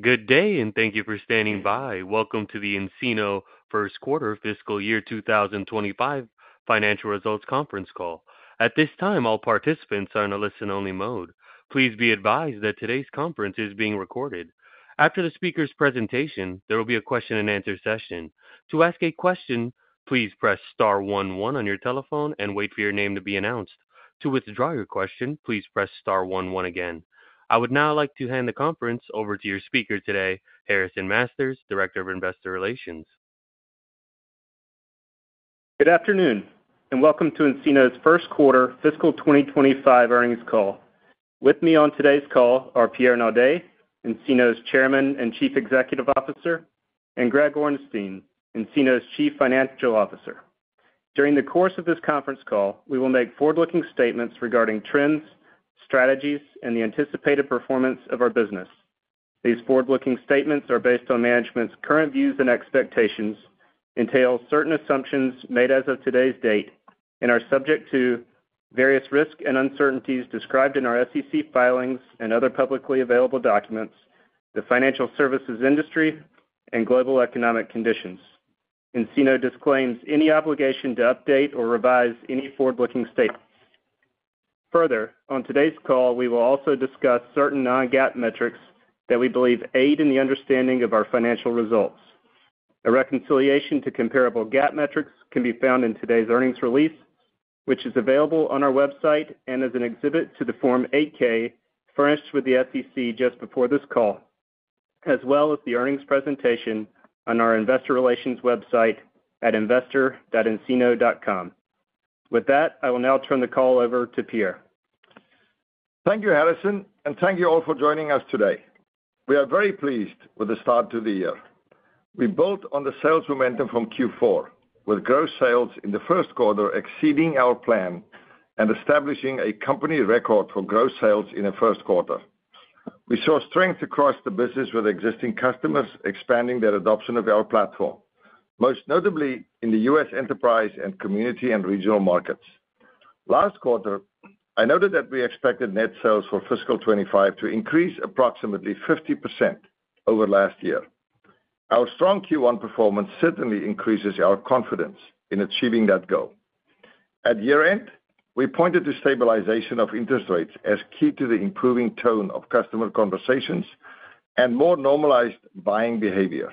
Good day, and thank you for standing by. Welcome to the nCino first quarter fiscal year 2025 financial results conference call. At this time, all participants are in a listen-only mode. Please be advised that today's conference is being recorded. After the speaker's presentation, there will be a question-and-answer session. To ask a question, please press star one one on your telephone and wait for your name to be announced. To withdraw your question, please press star one one again. I would now like to hand the conference over to your speaker today, Harrison Masters, Director of Investor Relations. Good afternoon, and welcome to nCino's first quarter fiscal 2025 earnings call. With me on today's call are Pierre Naudé, nCino's Chairman and Chief Executive Officer, and Greg Orenstein, nCino's Chief Financial Officer. During the course of this conference call, we will make forward-looking statements regarding trends, strategies, and the anticipated performance of our business. These forward-looking statements are based on management's current views and expectations, entail certain assumptions made as of today's date, and are subject to various risks and uncertainties described in our SEC filings and other publicly available documents, the financial services industry, and global economic conditions. nCino disclaims any obligation to update or revise any forward-looking statements. Further, on today's call, we will also discuss certain non-GAAP metrics that we believe aid in the understanding of our financial results. A reconciliation to comparable GAAP metrics can be found in today's earnings release, which is available on our website and as an exhibit to the Form 8-K, furnished with the SEC just before this call, as well as the earnings presentation on our investor relations website at investor.ncino.com. With that, I will now turn the call over to Pierre. Thank you, Harrison, and thank you all for joining us today. We are very pleased with the start to the year. We built on the sales momentum from Q4, with gross sales in the first quarter exceeding our plan and establishing a company record for gross sales in the first quarter. We saw strength across the business, with existing customers expanding their adoption of our platform, most notably in the U.S. enterprise and community and regional markets. Last quarter, I noted that we expected net sales for fiscal 25 to increase approximately 50% over last year. Our strong Q1 performance certainly increases our confidence in achieving that goal. At year-end, we pointed to stabilization of interest rates as key to the improving tone of customer conversations and more normalized buying behavior.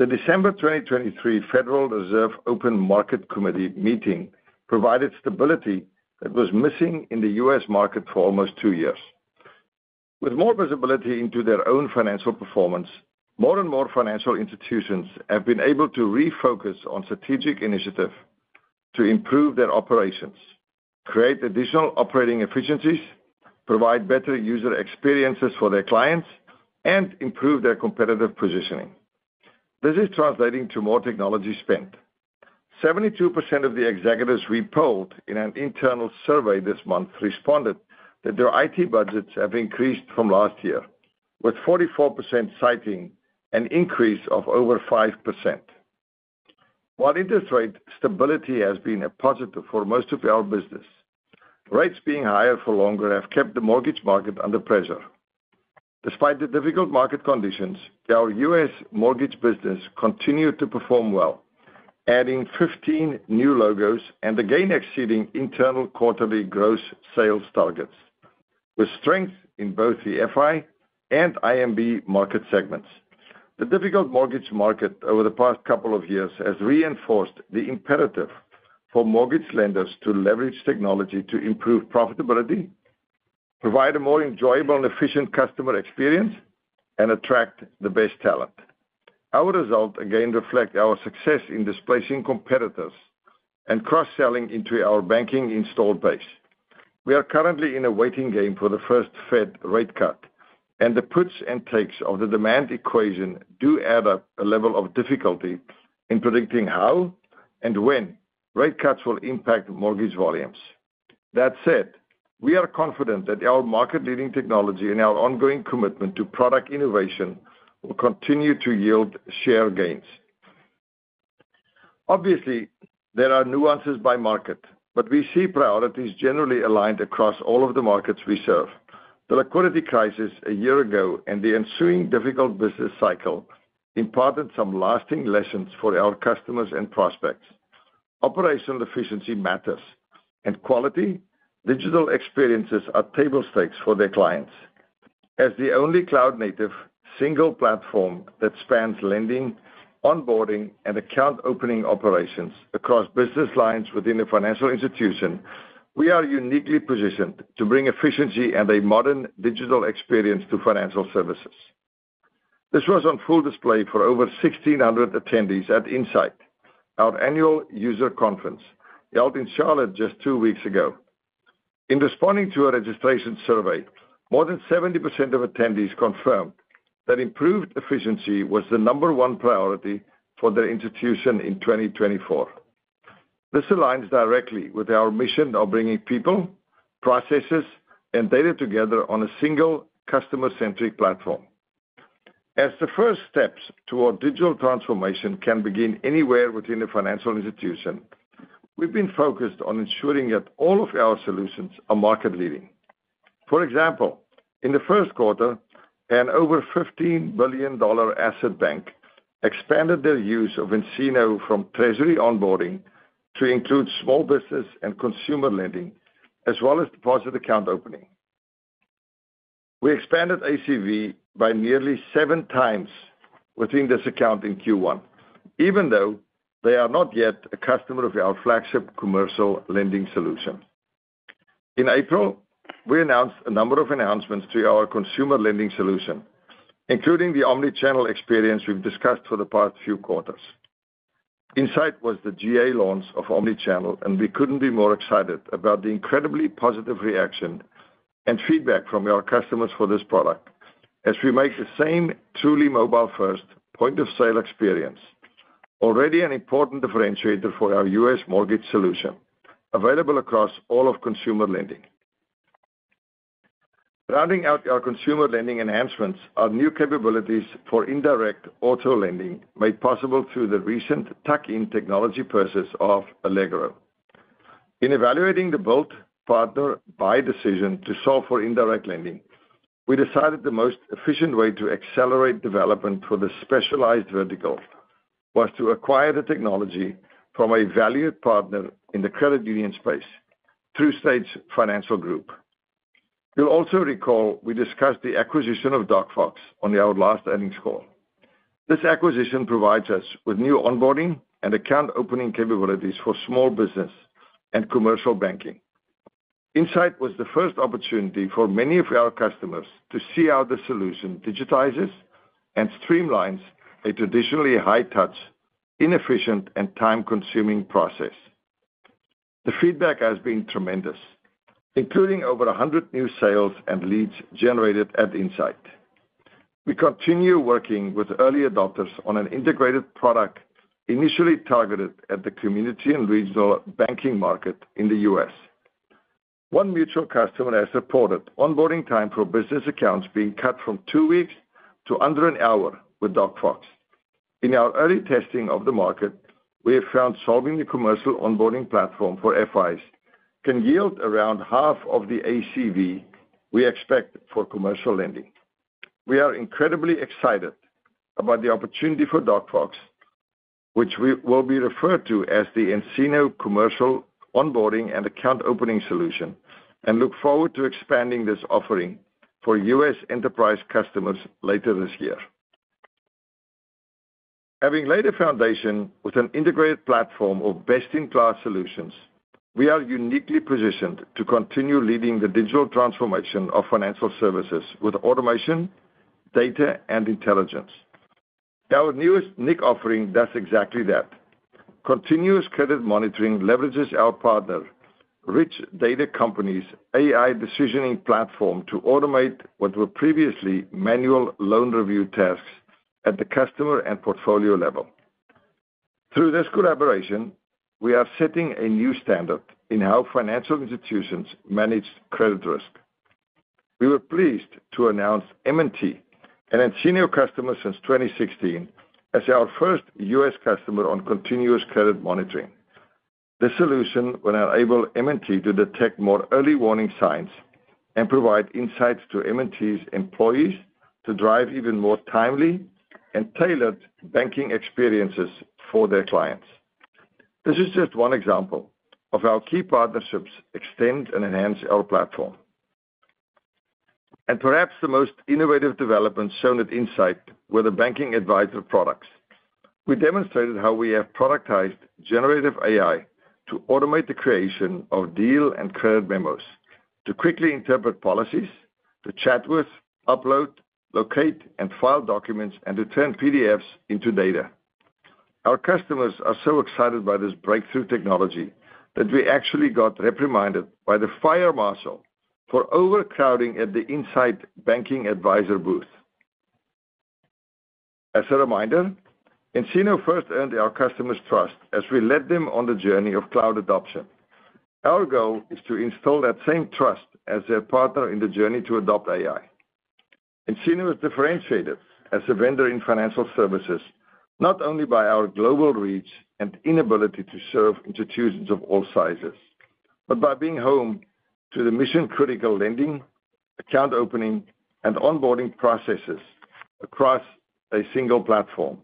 The December 2023 Federal Reserve Open Market Committee meeting provided stability that was missing in the U.S. market for almost two years. With more visibility into their own financial performance, more and more financial institutions have been able to refocus on strategic initiative to improve their operations, create additional operating efficiencies, provide better user experiences for their clients, and improve their competitive positioning. This is translating to more technology spend. 72% of the executives we polled in an internal survey this month responded that their IT budgets have increased from last year, with 44% citing an increase of over 5%. While interest rate stability has been a positive for most of our business, rates being higher for longer have kept the mortgage market under pressure. Despite the difficult market conditions, our U.S. mortgage business continued to perform well, adding 15 new logos and again exceeding internal quarterly gross sales targets, with strength in both the FI and IMB market segments. The difficult mortgage market over the past couple of years has reinforced the imperative for mortgage lenders to leverage technology to improve profitability, provide a more enjoyable and efficient customer experience, and attract the best talent. Our results again reflect our success in displacing competitors and cross-selling into our banking installed base. We are currently in a waiting game for the first Fed rate cut, and the puts and takes of the demand equation do add up a level of difficulty in predicting how and when rate cuts will impact mortgage volumes. That said, we are confident that our market-leading technology and our ongoing commitment to product innovation will continue to yield share gains. Obviously, there are nuances by market, but we see priorities generally aligned across all of the markets we serve. The liquidity crisis a year ago and the ensuing difficult business cycle imparted some lasting lessons for our customers and prospects. Operational efficiency matters, and quality digital experiences are table stakes for their clients. As the only cloud-native, single platform that spans lending, onboarding, and account opening operations across business lines within a financial institution, we are uniquely positioned to bring efficiency and a modern digital experience to financial services. This was on full display for over 1,600 attendees at nSight, our annual user conference, held in Charlotte just two weeks ago. In responding to a registration survey, more than 70% of attendees confirmed that improved efficiency was the number one priority for their institution in 2024. This aligns directly with our mission of bringing people, processes, and data together on a single customer-centric platform.... As the first steps toward digital transformation can begin anywhere within a financial institution, we've been focused on ensuring that all of our solutions are market-leading. For example, in the first quarter, an over $15 billion asset bank expanded their use of nCino from treasury onboarding to include small business and consumer lending, as well as deposit account opening. We expanded ACV by nearly 7x within this account in Q1, even though they are not yet a customer of our flagship commercial lending solution. In April, we announced a number of enhancements to our consumer lending solution, including the omni-channel experience we've discussed for the past few quarters. nSight was the GA launch of Omni-Channel, and we couldn't be more excited about the incredibly positive reaction and feedback from our customers for this product, as we make the same truly mobile-first point-of-sale experience, already an important differentiator for our U.S. mortgage solution, available across all of Consumer Lending. Rounding out our Consumer Lending enhancements are new capabilities for Indirect Auto Lending, made possible through the recent tuck-in technology purchase of Allegro. In evaluating the build, partner, buy decision to solve for indirect lending, we decided the most efficient way to accelerate development for this specialized vertical was to acquire the technology from a valued partner in the credit union space, TruStage Financial Group. You'll also recall we discussed the acquisition of DocFox on our last earnings call. This acquisition provides us with new onboarding and account opening capabilities for small business and commercial banking. nSight was the first opportunity for many of our customers to see how the solution digitizes and streamlines a traditionally high-touch, inefficient, and time-consuming process. The feedback has been tremendous, including over 100 new sales and leads generated at nSight. We continue working with early adopters on an integrated product, initially targeted at the community and regional banking market in the U.S. One mutual customer has reported onboarding time for business accounts being cut from 2 weeks to under an hour with DocFox. In our early testing of the market, we have found solving the commercial onboarding platform for FIs can yield around half of the ACV we expect for commercial lending. We are incredibly excited about the opportunity for DocFox, which we will be referred to as the nCino Commercial Onboarding and Account Opening Solution, and look forward to expanding this offering for U.S. enterprise customers later this year. Having laid a foundation with an integrated platform of best-in-class solutions, we are uniquely positioned to continue leading the digital transformation of financial services with automation, data, and intelligence. Our newest nCino offering does exactly that. Continuous Credit Monitoring leverages our partner, Rich Data Co's AI decisioning platform, to automate what were previously manual loan review tasks at the customer and portfolio level. Through this collaboration, we are setting a new standard in how financial institutions manage credit risk. We were pleased to announce M&T, an nCino customer since 2016, as our first U.S. customer on Continuous Credit Monitoring. This solution will enable M&T to detect more early warning signs and provide nSights to M&T's employees to drive even more timely and tailored banking experiences for their clients. This is just one example of how key partnerships extend and enhance our platform. And perhaps the most innovative developments shown at nSight were the Banking Advisor products. We demonstrated how we have productized generative AI to automate the creation of deal and credit memos, to quickly interpret policies, to chat with, upload, locate, and file documents, and to turn PDFs into data. Our customers are so excited by this breakthrough technology that we actually got reprimanded by the fire marshal for overcrowding at the nSight Banking Advisor booth. As a reminder, nCino first earned our customers' trust as we led them on the journey of cloud adoption. Our goal is to install that same trust as their partner in the journey to adopt AI. nCino is differentiated as a vendor in financial services, not only by our global reach and inability to serve institutions of all sizes, but by being home to the mission-critical lending, account opening, and onboarding processes across a single platform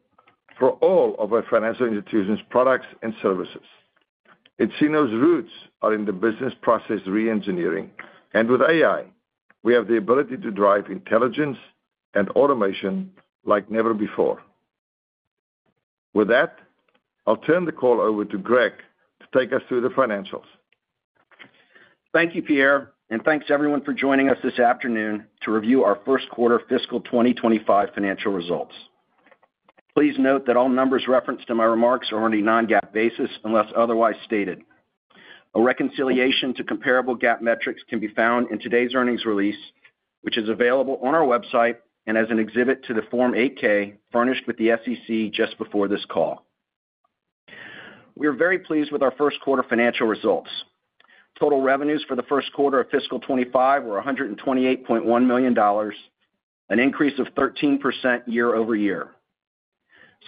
for all of our financial institutions, products, and services. nCino's roots are in the business process reengineering, and with AI, we have the ability to drive intelligence and automation like never before. With that, I'll turn the call over to Greg to take us through the financials. Thank you, Pierre, and thanks, everyone, for joining us this afternoon to review our first quarter fiscal 2025 financial results. Please note that all numbers referenced in my remarks are on a non-GAAP basis, unless otherwise stated. A reconciliation to comparable GAAP metrics can be found in today's earnings release, which is available on our website and as an exhibit to the Form 8-K, furnished with the SEC just before this call. We are very pleased with our first quarter financial results. Total revenues for the first quarter of fiscal 2025 were $128.1 million, an increase of 13% year-over-year.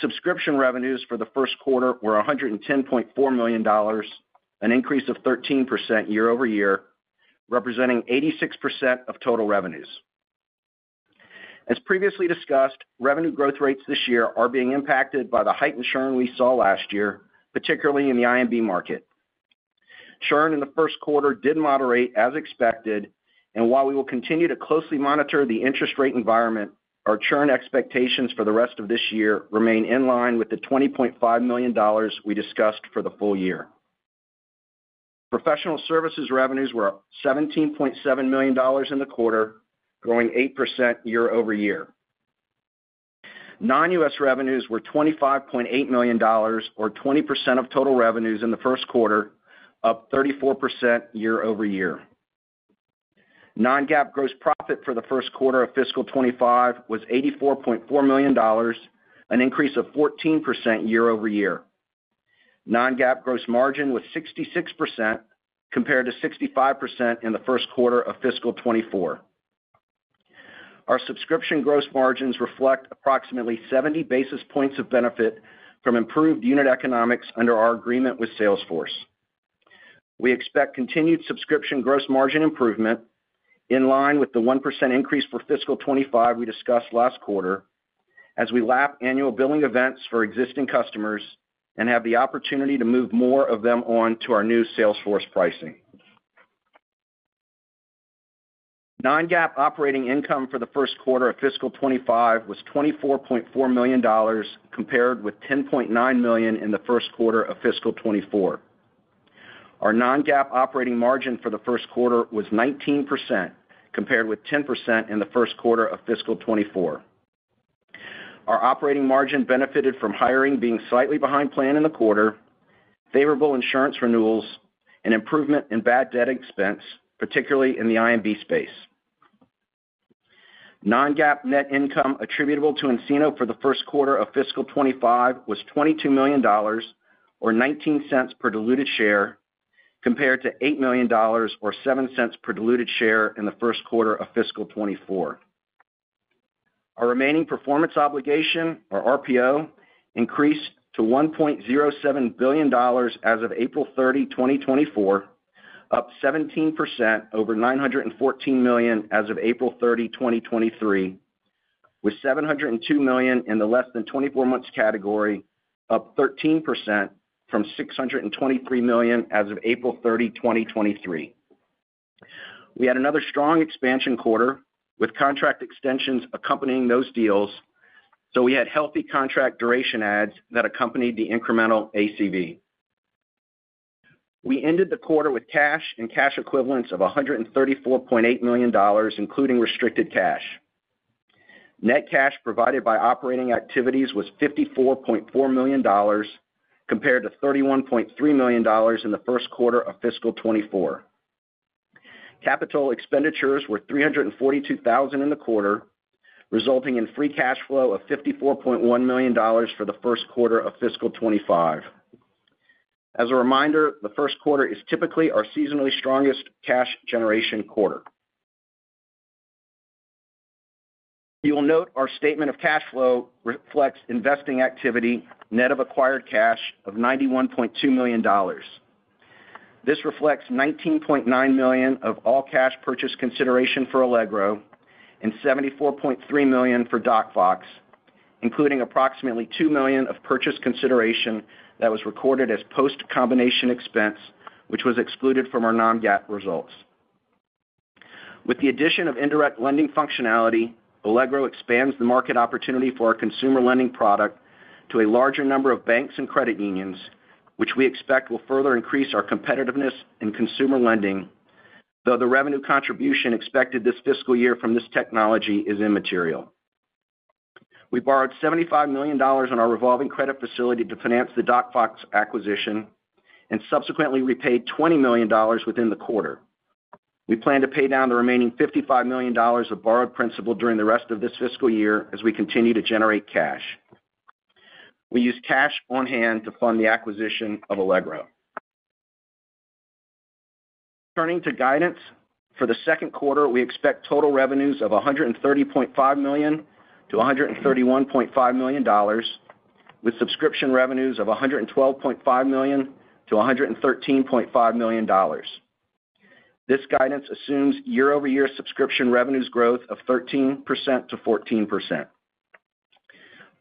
Subscription revenues for the first quarter were $110.4 million, an increase of 13% year-over-year, representing 86% of total revenues. As previously discussed, revenue growth rates this year are being impacted by the heightened churn we saw last year, particularly in the IMB market. Churn in the first quarter did moderate as expected, and while we will continue to closely monitor the interest rate environment, our churn expectations for the rest of this year remain in line with the $20.5 million we discussed for the full year. Professional services revenues were $17.7 million in the quarter, growing 8% year-over-year. Non-US revenues were $25.8 million, or 20% of total revenues in the first quarter, up 34% year-over-year. Non-GAAP gross profit for the first quarter of fiscal 2025 was $84.4 million, an increase of 14% year-over-year. Non-GAAP gross margin was 66%, compared to 65% in the first quarter of fiscal 2024. Our subscription gross margins reflect approximately 70 basis points of benefit from improved unit economics under our agreement with Salesforce. We expect continued subscription gross margin improvement in line with the 1% increase for fiscal 2025 we discussed last quarter, as we lap annual billing events for existing customers and have the opportunity to move more of them on to our new Salesforce pricing. Non-GAAP operating income for the first quarter of fiscal 2025 was $24.4 million, compared with $10.9 million in the first quarter of fiscal 2024. Our non-GAAP operating margin for the first quarter was 19%, compared with 10% in the first quarter of fiscal 2024. Our operating margin benefited from hiring being slightly behind plan in the quarter, favorable insurance renewals, and improvement in bad debt expense, particularly in the IMB space. Non-GAAP net income attributable to nCino for the first quarter of fiscal 2025 was $22 million, or $0.19 per diluted share, compared to $8 million, or $0.07 per diluted share in the first quarter of fiscal 2024. Our remaining performance obligation, or RPO, increased to $1.07 billion as of April 30, 2024, up 17% over $914 million as of April 30, 2023, with $702 million in the less than 24 months category, up 13% from $623 million as of April 30, 2023. We had another strong expansion quarter, with contract extensions accompanying those deals, so we had healthy contract duration adds that accompanied the incremental ACV. We ended the quarter with cash and cash equivalents of $134.8 million, including restricted cash. Net cash provided by operating activities was $54.4 million, compared to $31.3 million in the first quarter of fiscal 2024. Capital expenditures were $342,000 in the quarter, resulting in free cash flow of $54.1 million for the first quarter of fiscal 2025. As a reminder, the first quarter is typically our seasonally strongest cash generation quarter. You will note our statement of cash flow reflects investing activity, net of acquired cash of $91.2 million. This reflects $19.9 million of all-cash purchase consideration for Allegro and $74.3 million for DocFox, including approximately $2 million of purchase consideration that was recorded as post-combination expense, which was excluded from our non-GAAP results. With the addition of indirect lending functionality, Allegro expands the market opportunity for our consumer lending product to a larger number of banks and credit unions, which we expect will further increase our competitiveness in consumer lending, though the revenue contribution expected this fiscal year from this technology is immaterial. We borrowed $75 million on our revolving credit facility to finance the DocFox acquisition and subsequently repaid $20 million within the quarter. We plan to pay down the remaining $55 million of borrowed principal during the rest of this fiscal year as we continue to generate cash. We used cash on hand to fund the acquisition of Allegro. Turning to guidance. For the second quarter, we expect total revenues of $130.5 million-$131.5 million, with subscription revenues of $112.5 million-$113.5 million. This guidance assumes year-over-year subscription revenues growth of 13%-14%.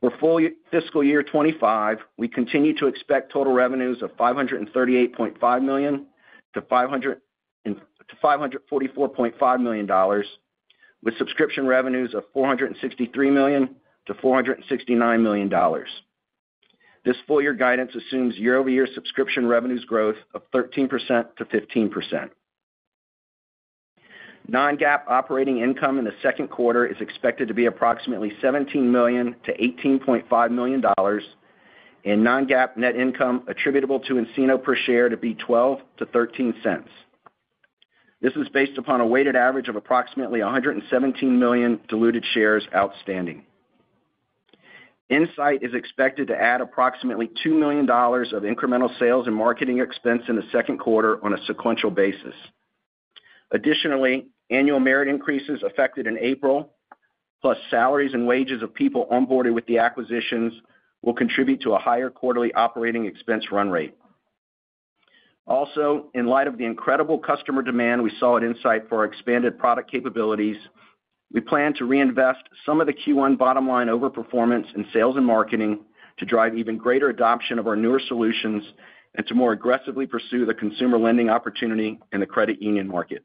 For full fiscal year 2025, we continue to expect total revenues of $538.5 million-$544.5 million, with subscription revenues of $463 million-$469 million. This full year guidance assumes year-over-year subscription revenues growth of 13%-15%. Non-GAAP operating income in the second quarter is expected to be approximately $17 million-$18.5 million, and non-GAAP net income attributable to nCino per share to be $0.12-$0.13. This is based upon a weighted average of approximately 117 million diluted shares outstanding. nSight is expected to add approximately $2 million of incremental sales and marketing expense in the second quarter on a sequential basis. Additionally, annual merit increases affected in April, plus salaries and wages of people onboarded with the acquisitions, will contribute to a higher quarterly operating expense run rate. Also, in light of the incredible customer demand we saw at nSight for our expanded product capabilities, we plan to reinvest some of the Q1 bottom line overperformance in sales and marketing to drive even greater adoption of our newer solutions and to more aggressively pursue the consumer lending opportunity in the credit union market.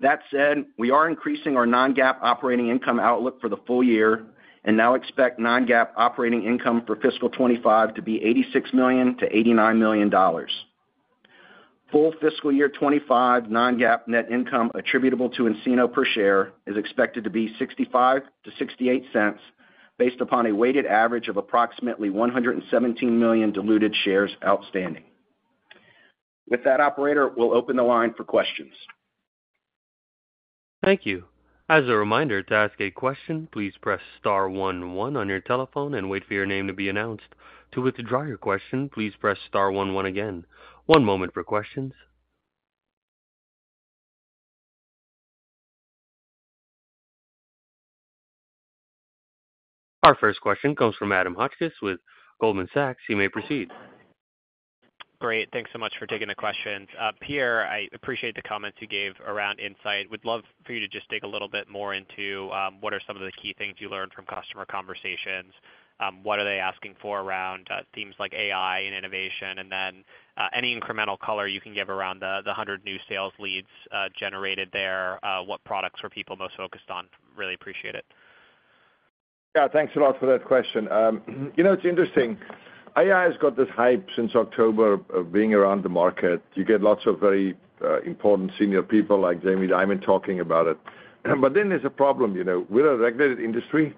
That said, we are increasing our non-GAAP operating income outlook for the full year and now expect non-GAAP operating income for fiscal 2025 to be $86 million-$89 million. Full fiscal year 2025 non-GAAP net income attributable to nCino per share is expected to be $0.65-$0.68, based upon a weighted average of approximately 117 million diluted shares outstanding. With that, operator, we'll open the line for questions. Thank you. As a reminder, to ask a question, please press star one, one on your telephone and wait for your name to be announced. To withdraw your question, please press star one, one again. One moment for questions. Our first question comes from Adam Hotchkiss with Goldman Sachs. You may proceed. Great. Thanks so much for taking the questions. Pierre, I appreciate the comments you gave around nSight. Would love for you to just dig a little bit more into what are some of the key things you learned from customer conversations? What are they asking for around themes like AI and innovation? And then, any incremental color you can give around the 100 new sales leads generated there, what products were people most focused on? Really appreciate it. Yeah, thanks a lot for that question. You know, it's interesting. AI has got this hype since October of being around the market. You get lots of very important senior people like Jamie Dimon talking about it. But then there's a problem, you know. We're a regulated industry,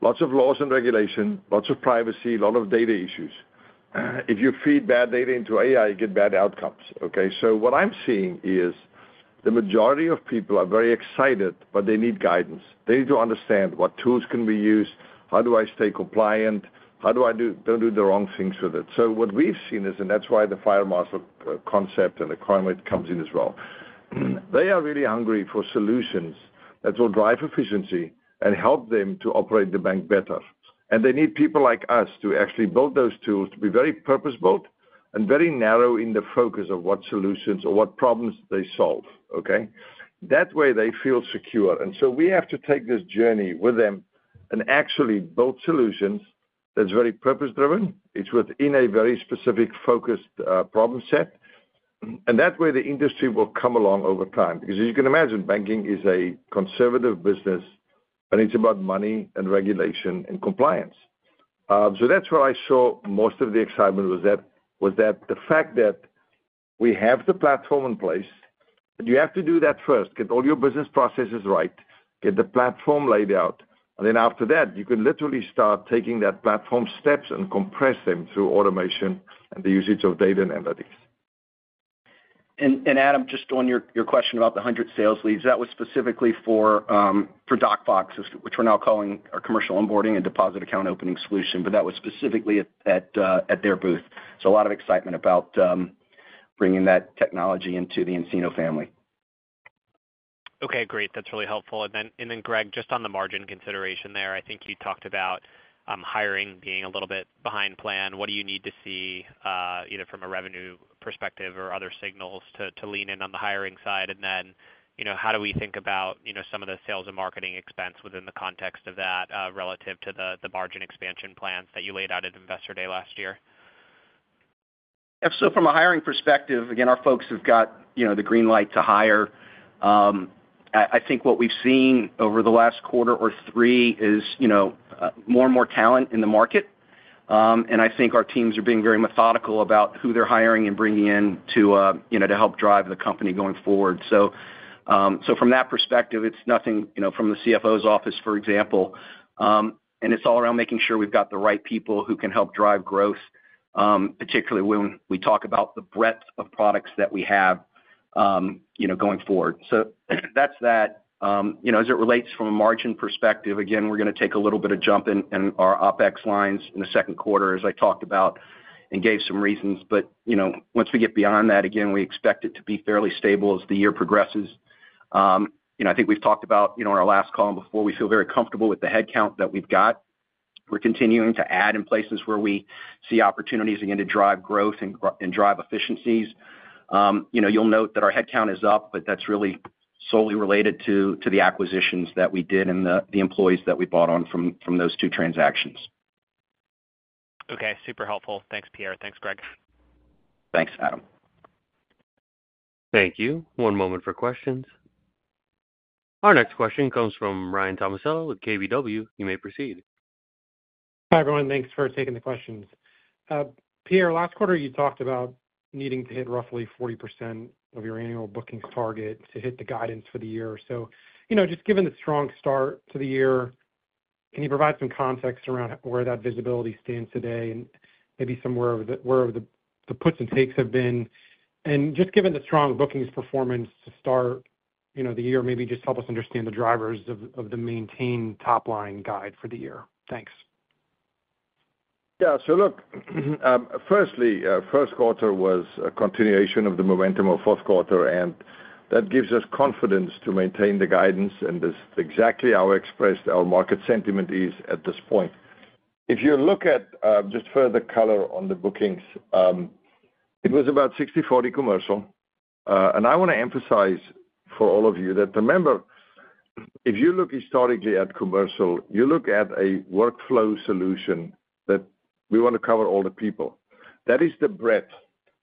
lots of laws and regulation, lots of privacy, a lot of data issues. If you feed bad data into AI, you get bad outcomes, okay? So what I'm seeing is, the majority of people are very excited, but they need guidance. They need to understand what tools can be used, how do I stay compliant, how do I don't do the wrong things with it. So what we've seen is and that's why the fire marshal concept and the climate comes in as well. They are really hungry for solutions that will drive efficiency and help them to operate the bank better. And they need people like us to actually build those tools, to be very purpose-built and very narrow in the focus of what solutions or what problems they solve, okay? That way, they feel secure. And so we have to take this journey with them and actually build solutions that's very purpose-driven. It's within a very specific, focused, problem set, and that way, the industry will come along over time. Because as you can imagine, banking is a conservative business, and it's about money and regulation and compliance. So that's where I saw most of the excitement, was that the fact that we have the platform in place, but you have to do that first, get all your business processes right, get the platform laid out, and then after that, you can literally start taking that platform steps and compress them through automation and the usage of data and analytics. Adam, just on your question about the 100 sales leads, that was specifically for DocFox, which we're now calling our commercial onboarding and deposit account opening solution, but that was specifically at their booth. So a lot of excitement about bringing that technology into the nCino family. Okay, great. That's really helpful. And then, Greg, just on the margin consideration there, I think you talked about hiring being a little bit behind plan. What do you need to see, either from a revenue perspective or other signals to lean in on the hiring side? And then, you know, how do we think about, you know, some of the sales and marketing expense within the context of that, relative to the margin expansion plans that you laid out at Investor Day last year? Yeah, so from a hiring perspective, again, our folks have got, you know, the green light to hire. I think what we've seen over the last quarter or three is, you know, more and more talent in the market. And I think our teams are being very methodical about who they're hiring and bringing in to, you know, to help drive the company going forward. So, so from that perspective, it's nothing, you know, from the CFO's office, for example, and it's all around making sure we've got the right people who can help drive growth, particularly when we talk about the breadth of products that we have, you know, going forward. So that's that. You know, as it relates from a margin perspective, again, we're going to take a little bit of jump in our OpEx lines in the second quarter, as I talked about and gave some reasons, but, you know, once we get beyond that, again, we expect it to be fairly stable as the year progresses. You know, I think we've talked about, you know, on our last call and before, we feel very comfortable with the headcount that we've got. We're continuing to add in places where we see opportunities, again, to drive growth and drive efficiencies. You know, you'll note that our headcount is up, but that's really solely related to the acquisitions that we did and the employees that we bought on from those two transactions. Okay, super helpful. Thanks, Pierre. Thanks, Greg. Thanks, Adam. Thank you. One moment for questions. Our next question comes from Ryan Tomasello with KBW. You may proceed. Hi, everyone. Thanks for taking the questions. Pierre, last quarter, you talked about needing to hit roughly 40% of your annual booking target to hit the guidance for the year. So, you know, just given the strong start to the year, can you provide some context around where that visibility stands today, and maybe somewhere where the puts and takes have been? And just given the strong bookings performance to start, you know, the year, maybe just help us understand the drivers of the maintained top line guide for the year. Thanks. Yeah. So look, firstly, first quarter was a continuation of the momentum of fourth quarter, and that gives us confidence to maintain the guidance, and that's exactly how expressed our market sentiment is at this point. If you look at, just further color on the bookings, it was about 60/40 commercial. And I want to emphasize for all of you that remember, if you look historically at commercial, you look at a workflow solution, that we want to cover all the people. That is the breadth.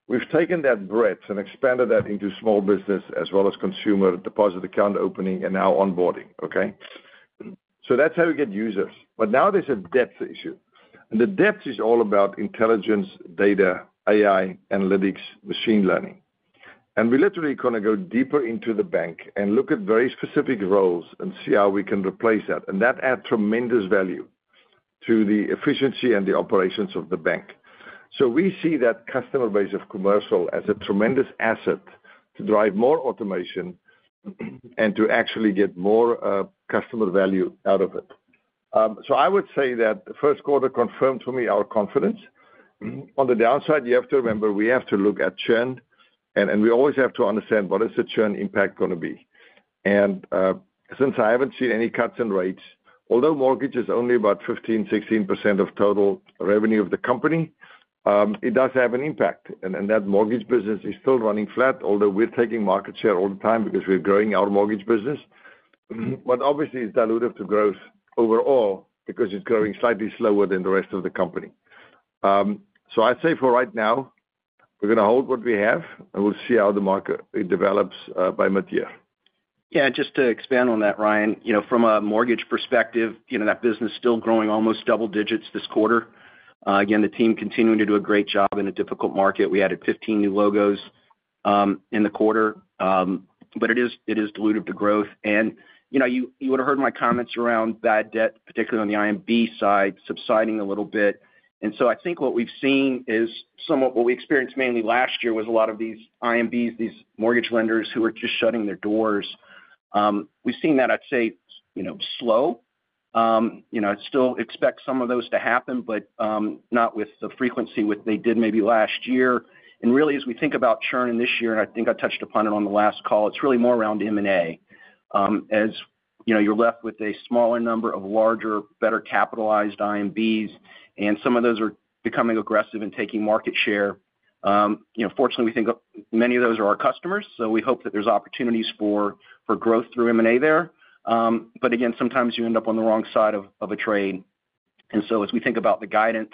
We've taken that breadth and expanded that into small business as well as consumer deposit account opening and now onboarding, okay? So that's how we get users. But now there's a depth issue, and the depth is all about intelligence, data, AI, analytics, machine learning. And we literally going to go deeper into the bank and look at very specific roles and see how we can replace that, and that add tremendous value to the efficiency and the operations of the bank. So we see that customer base of commercial as a tremendous asset to drive more automation and to actually get more, customer value out of it. So I would say that the first quarter confirmed to me our confidence. On the downside, you have to remember, we have to look at churn, and, and we always have to understand what is the churn impact going to be. Since I haven't seen any cuts in rates, although mortgage is only about 15-16% of total revenue of the company, it does have an impact, and that mortgage business is still running flat, although we're taking market share all the time because we're growing our mortgage business. But obviously, it's dilutive to growth overall because it's growing slightly slower than the rest of the company. So I'd say for right now, we're going to hold what we have, and we'll see how the market develops by mid-year. Yeah, just to expand on that, Ryan. You know, from a mortgage perspective, you know, that business is still growing almost double digits this quarter. Again, the team continuing to do a great job in a difficult market. We added 15 new logos in the quarter, but it is, it is dilutive to growth. And, you know, you, you would have heard my comments around bad debt, particularly on the IMB side, subsiding a little bit. And so I think what we've seen is somewhat what we experienced mainly last year, was a lot of these IMBs, these mortgage lenders who are just shutting their doors. We've seen that, I'd say, you know, slow. You know, I still expect some of those to happen, but not with the frequency which they did maybe last year. Really, as we think about churning this year, and I think I touched upon it on the last call, it's really more around M&A. As you know, you're left with a smaller number of larger, better capitalized IMBs, and some of those are becoming aggressive in taking market share. You know, fortunately, we think many of those are our customers, so we hope that there's opportunities for growth through M&A there. But again, sometimes you end up on the wrong side of a trade. So as we think about the guidance,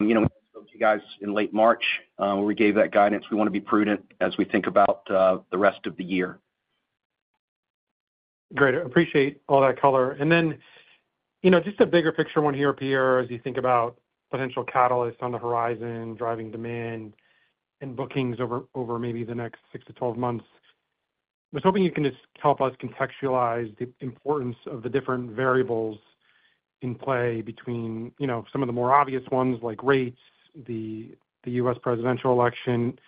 you know, we spoke to you guys in late March, where we gave that guidance. We want to be prudent as we think about the rest of the year. Great. I appreciate all that color. Then, you know, just a bigger picture one here, Pierre, as you think about potential catalysts on the horizon, driving demand and bookings over, over maybe the next 6-12 months. I was hoping you can just help us contextualize the importance of the different variables in play between, you know, some of the more obvious ones, like rates, the, the U.S. presidential election,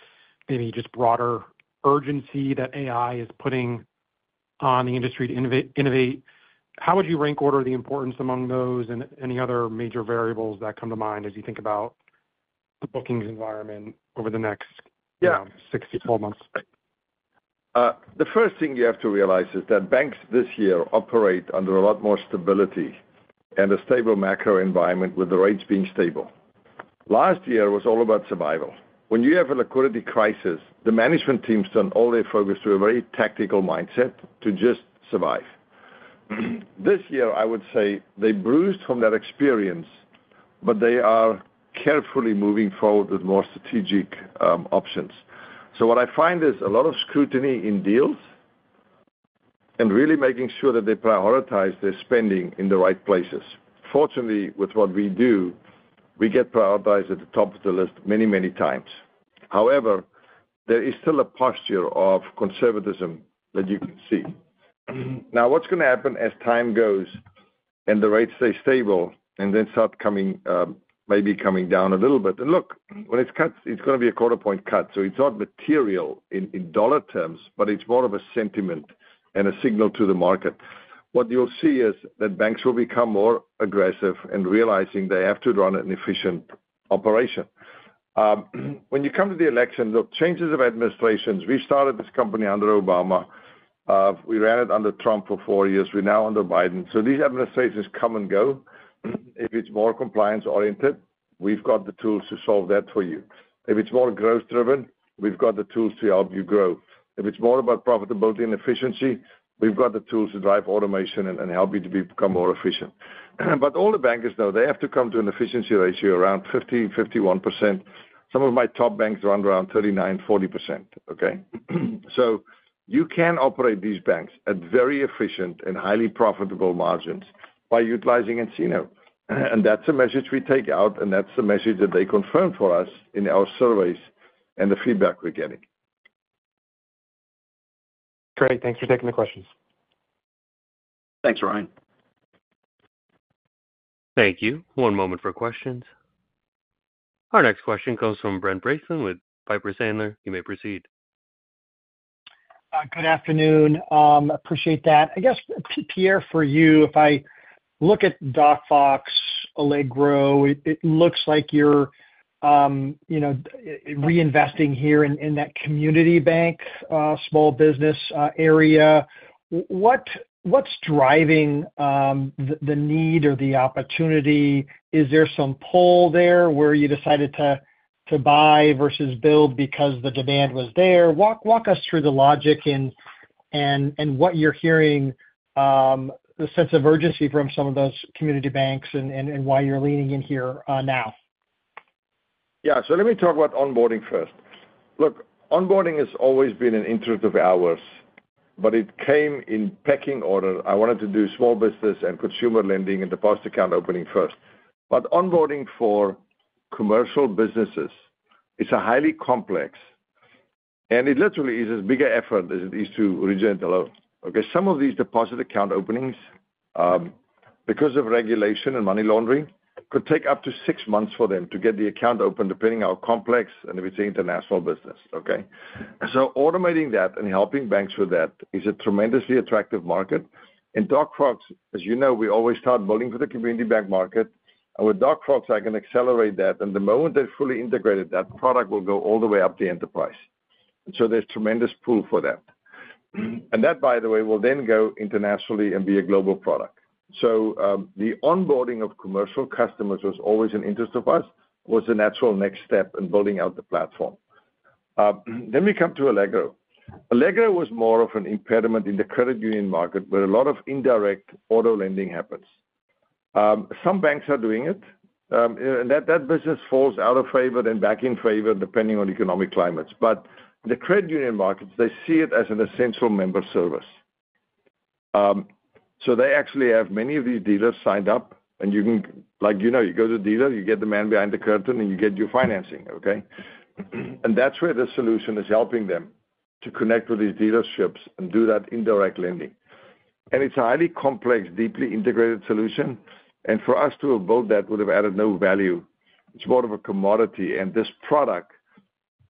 maybe just broader urgency that AI is putting on the industry to innovate. How would you rank order the importance among those and any other major variables that come to mind as you think about the bookings environment over the next- Yeah 6 to 12 months? The first thing you have to realize is that banks this year operate under a lot more stability and a stable macro environment, with the rates being stable. Last year was all about survival. When you have a liquidity crisis, the management teams turn all their focus to a very tactical mindset to just survive. This year, I would say they bruised from that experience, but they are carefully moving forward with more strategic options. So what I find is a lot of scrutiny in deals and really making sure that they prioritize their spending in the right places. Fortunately, with what we do, we get prioritized at the top of the list many, many times. However, there is still a posture of conservatism that you can see. Now, what's going to happen as time goes and the rates stay stable and then start coming, maybe coming down a little bit. And look, when it's cut, it's going to be a quarter point cut. So it's not material in dollar terms, but it's more of a sentiment and a signal to the market. What you'll see is that banks will become more aggressive in realizing they have to run an efficient operation. When you come to the election, look, changes of administrations, we started this company under Obama. We ran it under Trump for four years. We're now under Biden. So these administrations come and go. If it's more compliance-oriented, we've got the tools to solve that for you. If it's more growth driven, we've got the tools to help you grow. If it's more about profitability and efficiency, we've got the tools to drive automation and help you to become more efficient. But all the bankers, though, they have to come to an efficiency ratio around 50%-51%. Some of my top banks run around 39%-40%, okay? So you can operate these banks at very efficient and highly profitable margins by utilizing nCino, and that's a message we take out, and that's the message that they confirm for us in our surveys and the feedback we're getting.... Great. Thanks for taking the questions. Thanks, Ryan. Thank you. One moment for questions. Our next question comes from Brent Bracelin with Piper Sandler. You may proceed. Good afternoon. Appreciate that. I guess, Pierre, for you, if I look at DocFox, Allegro, it looks like you're, you know, reinvesting here in that community bank small business area. What’s driving the need or the opportunity? Is there some pull there where you decided to buy versus build because the demand was there? Walk us through the logic and what you're hearing, the sense of urgency from some of those community banks and why you're leaning in here now. Yeah, so let me talk about onboarding first. Look, onboarding has always been an interest of ours, but it came in pecking order. I wanted to do small business and consumer lending and the past account opening first. But onboarding for commercial businesses is a highly complex, and it literally is as big an effort as it is to originate a loan. Okay, some of these deposit account openings, because of regulation and money laundering, could take up to six months for them to get the account open, depending how complex, and if it's international business, okay? So automating that and helping banks with that is a tremendously attractive market. And DocFox, as you know, we always start building for the community bank market, and with DocFox, I can accelerate that, and the moment they're fully integrated, that product will go all the way up the enterprise. So there's tremendous pool for that. And that, by the way, will then go internationally and be a global product. So, the onboarding of commercial customers was always an interest of us, was the natural next step in building out the platform. Then we come to Allegro. Allegro was more of an impediment in the credit union market, where a lot of indirect auto lending happens. Some banks are doing it, and that business falls out of favor, then back in favor, depending on economic climates. But the credit union markets, they see it as an essential member service. So they actually have many of these dealers signed up, and, like, you know, you go to the dealer, you get the man behind the curtain, and you get your financing, okay? That's where the solution is helping them to connect with these dealerships and do that indirect lending. It's a highly complex, deeply integrated solution, and for us to have built that would have added no value. It's more of a commodity, and this product,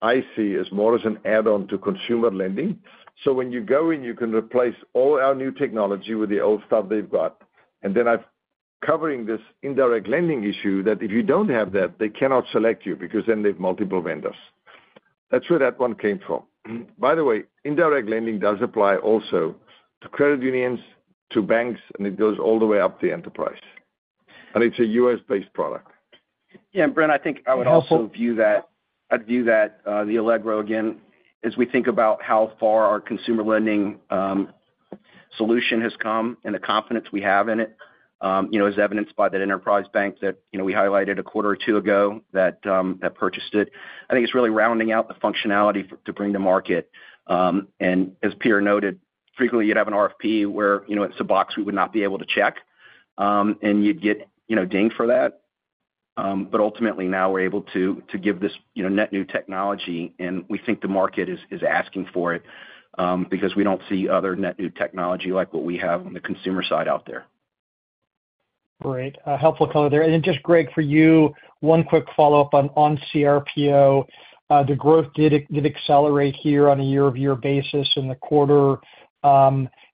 I see, as more as an add-on to consumer lending. So when you go in, you can replace all our new technology with the old stuff they've got, and then it covers this indirect lending issue that if you don't have that, they cannot select you because then they have multiple vendors. That's where that one came from. By the way, indirect lending does apply also to credit unions, to banks, and it goes all the way up the enterprise, and it's a U.S.-based product. Yeah, Brent, I think I would also view that—I'd view that, the Allegro, again, as we think about how far our consumer lending solution has come and the confidence we have in it, you know, as evidenced by that enterprise bank that, you know, we highlighted a quarter or two ago that that purchased it. I think it's really rounding out the functionality to bring to market. And as Pierre noted, frequently, you'd have an RFP where, you know, it's a box we would not be able to check, and you'd get, you know, dinged for that. But ultimately, now we're able to give this, you know, net new technology, and we think the market is asking for it, because we don't see other net new technology like what we have on the consumer side out there. Great. Helpful color there. And then just Greg, for you, one quick follow-up on CRPO. The growth did accelerate here on a year-over-year basis in the quarter.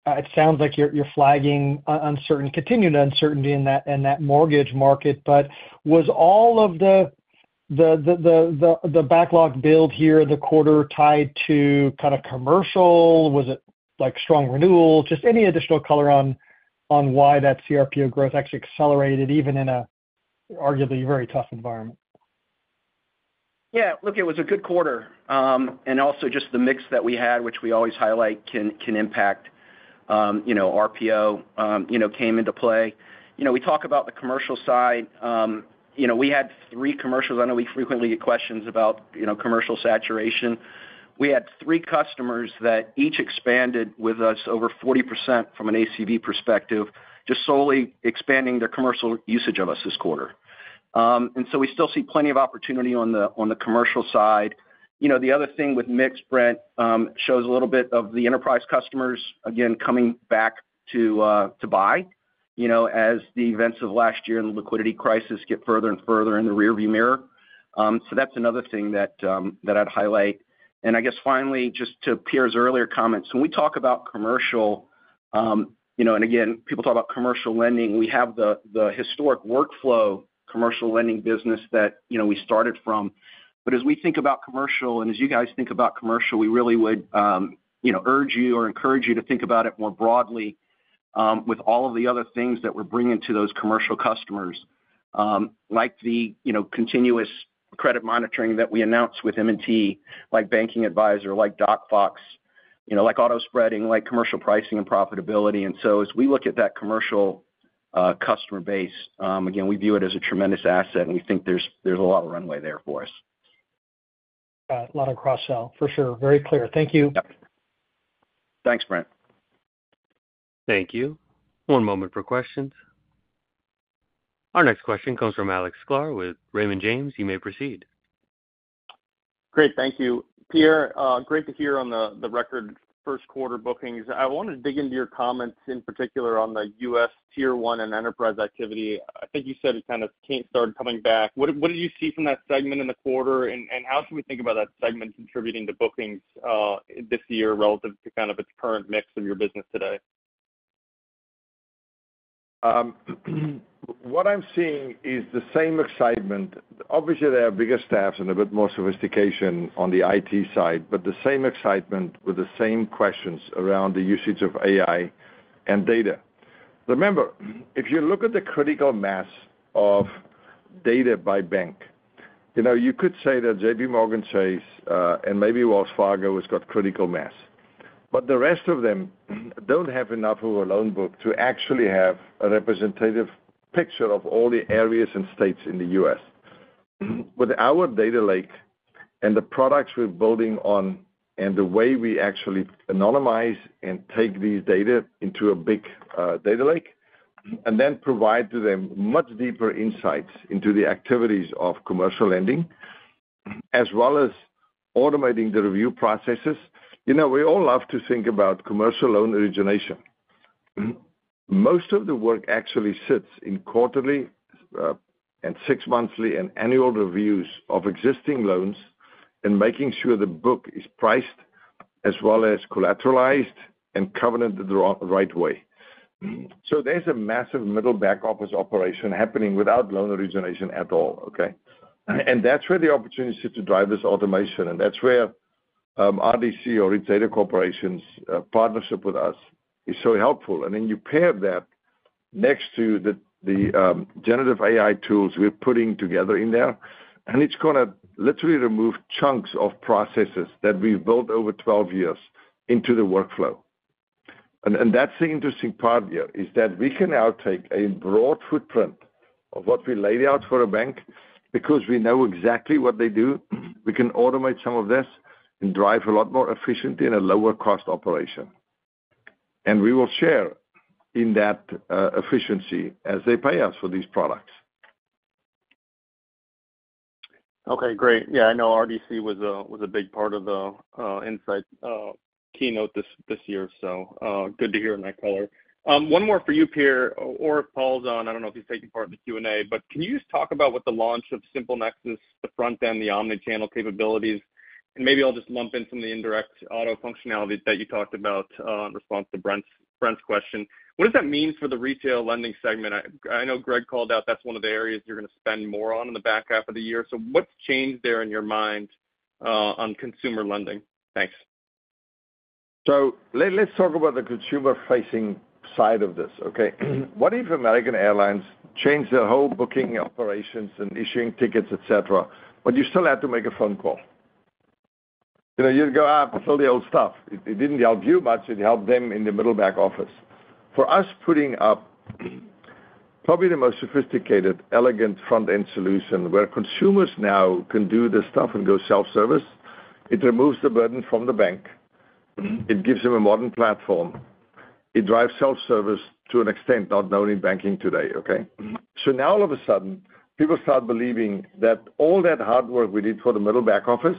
It sounds like you're flagging continued uncertainty in that mortgage market. But was all of the backlog build here the quarter tied to kind of commercial? Was it, like, strong renewals? Just any additional color on why that CRPO growth actually accelerated, even in a arguably very tough environment? Yeah, look, it was a good quarter. And also just the mix that we had, which we always highlight, can impact, you know, RPO, you know, came into play. You know, we talk about the commercial side. You know, we had three commercials. I know we frequently get questions about, you know, commercial saturation. We had three customers that each expanded with us over 40% from an ACV perspective, just solely expanding their commercial usage of us this quarter. And so we still see plenty of opportunity on the commercial side. You know, the other thing with mix, Brent, shows a little bit of the enterprise customers, again, coming back to buy, you know, as the events of last year and the liquidity crisis get further and further in the rearview mirror. So that's another thing that I'd highlight. And I guess finally, just to Pierre's earlier comments, when we talk about commercial, you know, and again, people talk about commercial lending, we have the historic workflow commercial lending business that, you know, we started from. But as we think about commercial, and as you guys think about commercial, we really would, you know, urge you or encourage you to think about it more broadly, with all of the other things that we're bringing to those commercial customers, like the, you know, Continuous Credit Monitoring that we announced with M&T, like Banking Advisor, like DocFox, you know, like AutoSpreading, like commercial pricing and profitability. As we look at that commercial customer base, again, we view it as a tremendous asset, and we think there's a lot of runway there for us. A lot of cross-sell, for sure. Very clear. Thank you. Thanks, Brent. Thank you. One moment for questions. Our next question comes from Alex Sklar with Raymond James. You may proceed. Great. Thank you. Pierre, great to hear on the record first quarter bookings. I wanted to dig into your comments, in particular on the U.S. Tier One and enterprise activity. I think you said it kind of started coming back. What did you see from that segment in the quarter, and how should we think about that segment contributing to bookings this year relative to kind of its current mix of your business today? What I'm seeing is the same excitement. Obviously, they have bigger staffs and a bit more sophistication on the IT side, but the same excitement with the same questions around the usage of AI and data. Remember, if you look at the critical mass of data by bank, you know, you could say that JPMorgan Chase, and maybe Wells Fargo has got critical mass. But the rest of them don't have enough of a loan book to actually have a representative picture of all the areas and states in the US. With our data lake and the products we're building on, and the way we actually anonymize and take these data into a big, data lake, and then provide to them much deeper nSights into the activities of commercial lending, as well as automating the review processes. You know, we all love to think about commercial loan origination. Most of the work actually sits in quarterly and six monthly and annual reviews of existing loans, and making sure the book is priced as well as collateralized and covenanted the right way. So there's a massive middle back office operation happening without loan origination at all, okay? And that's where the opportunity is to drive this automation, and that's where Rich Data Co partnership with us is so helpful. And then you pair that next to the generative AI tools we're putting together in there, and it's gonna literally remove chunks of processes that we've built over 12 years into the workflow. That's the interesting part here, is that we can now take a broad footprint of what we laid out for a bank because we know exactly what they do. We can automate some of this and drive a lot more efficiency and a lower cost operation. We will share in that efficiency as they pay us for these products. Okay, great. Yeah, I know RDC was a big part of the nSight keynote this year, so good to hear in that color. One more for you, Pierre, or if Paul's on, I don't know if he's taking part in the Q&A, but can you just talk about what the launch of SimpleNexus, the front end, the omni-channel capabilities, and maybe I'll just lump in some of the indirect auto functionality that you talked about in response to Brent's question. What does that mean for the retail lending segment? I know Greg called out that's one of the areas you're gonna spend more on in the back half of the year. So what's changed there in your mind on consumer lending? Thanks. So, let's talk about the consumer-facing side of this, okay? What if American Airlines changed their whole booking operations and issuing tickets, et cetera, but you still had to make a phone call? You know, you'd go, "Ah, it's all the old stuff." It, it didn't help you much, it helped them in the middle back office. For us, putting up probably the most sophisticated, elegant front-end solution, where consumers now can do this stuff and go self-service, it removes the burden from the bank, it gives them a modern platform, it drives self-service to an extent not known in banking today, okay? So now, all of a sudden, people start believing that all that hard work we did for the middle back office,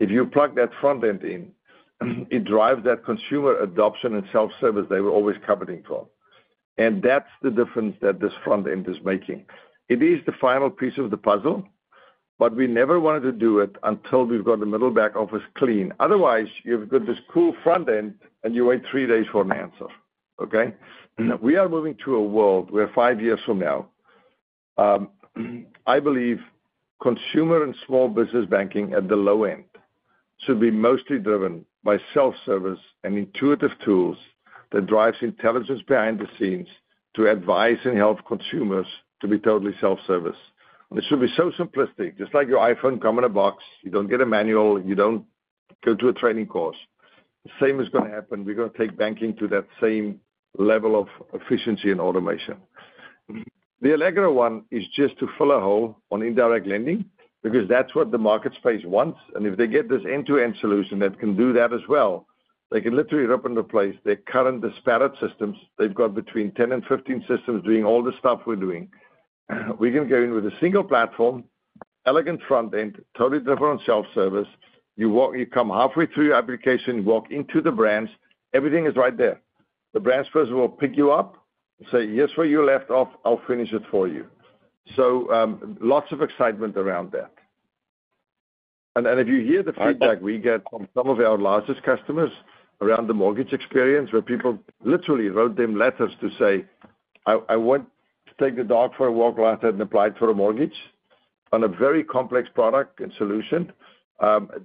if you plug that front end in, it drives that consumer adoption and self-service they were always coveting for. That's the difference that this front end is making. It is the final piece of the puzzle, but we never wanted to do it until we've got the middle back office clean. Otherwise, you've got this cool front end, and you wait three days for an answer, okay? We are moving to a world where five years from now, I believe consumer and small business banking at the low end should be mostly driven by self-service and intuitive tools that drives intelligence behind the scenes to advise and help consumers to be totally self-service. It should be so simplistic, just like your iPhone come in a box, you don't get a manual, you don't go to a training course. The same is gonna happen. We're gonna take banking to that same level of efficiency and automation. The Allegro one is just to fill a hole on indirect lending, because that's what the market space wants. And if they get this end-to-end solution that can do that as well, they can literally rip and replace their current disparate systems. They've got between 10 and 15 systems doing all the stuff we're doing. We're gonna go in with a single platform, elegant front end, totally different self-service. You walk-- You come halfway through your application, you walk into the branch, everything is right there. The branch first will pick you up and say, "Here's where you left off. I'll finish it for you." So, lots of excitement around that. If you hear the feedback we get from some of our largest customers around the mortgage experience, where people literally wrote them letters to say, "I went to take the dog for a walk last night and applied for a mortgage on a very complex product and solution,"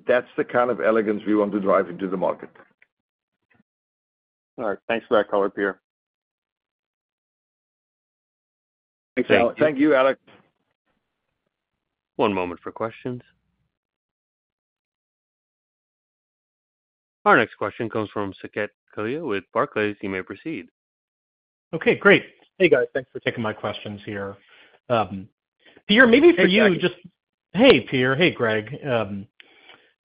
that's the kind of elegance we want to drive into the market. All right. Thanks for that color, Pierre. Thank you. Thank you, Alex. One moment for questions. Our next question comes from Saket Kalia with Barclays. You may proceed.... Okay, great. Hey, guys, thanks for taking my questions here. Pierre, maybe for you just- Hey, Saket. Hey, Pierre. Hey, Greg.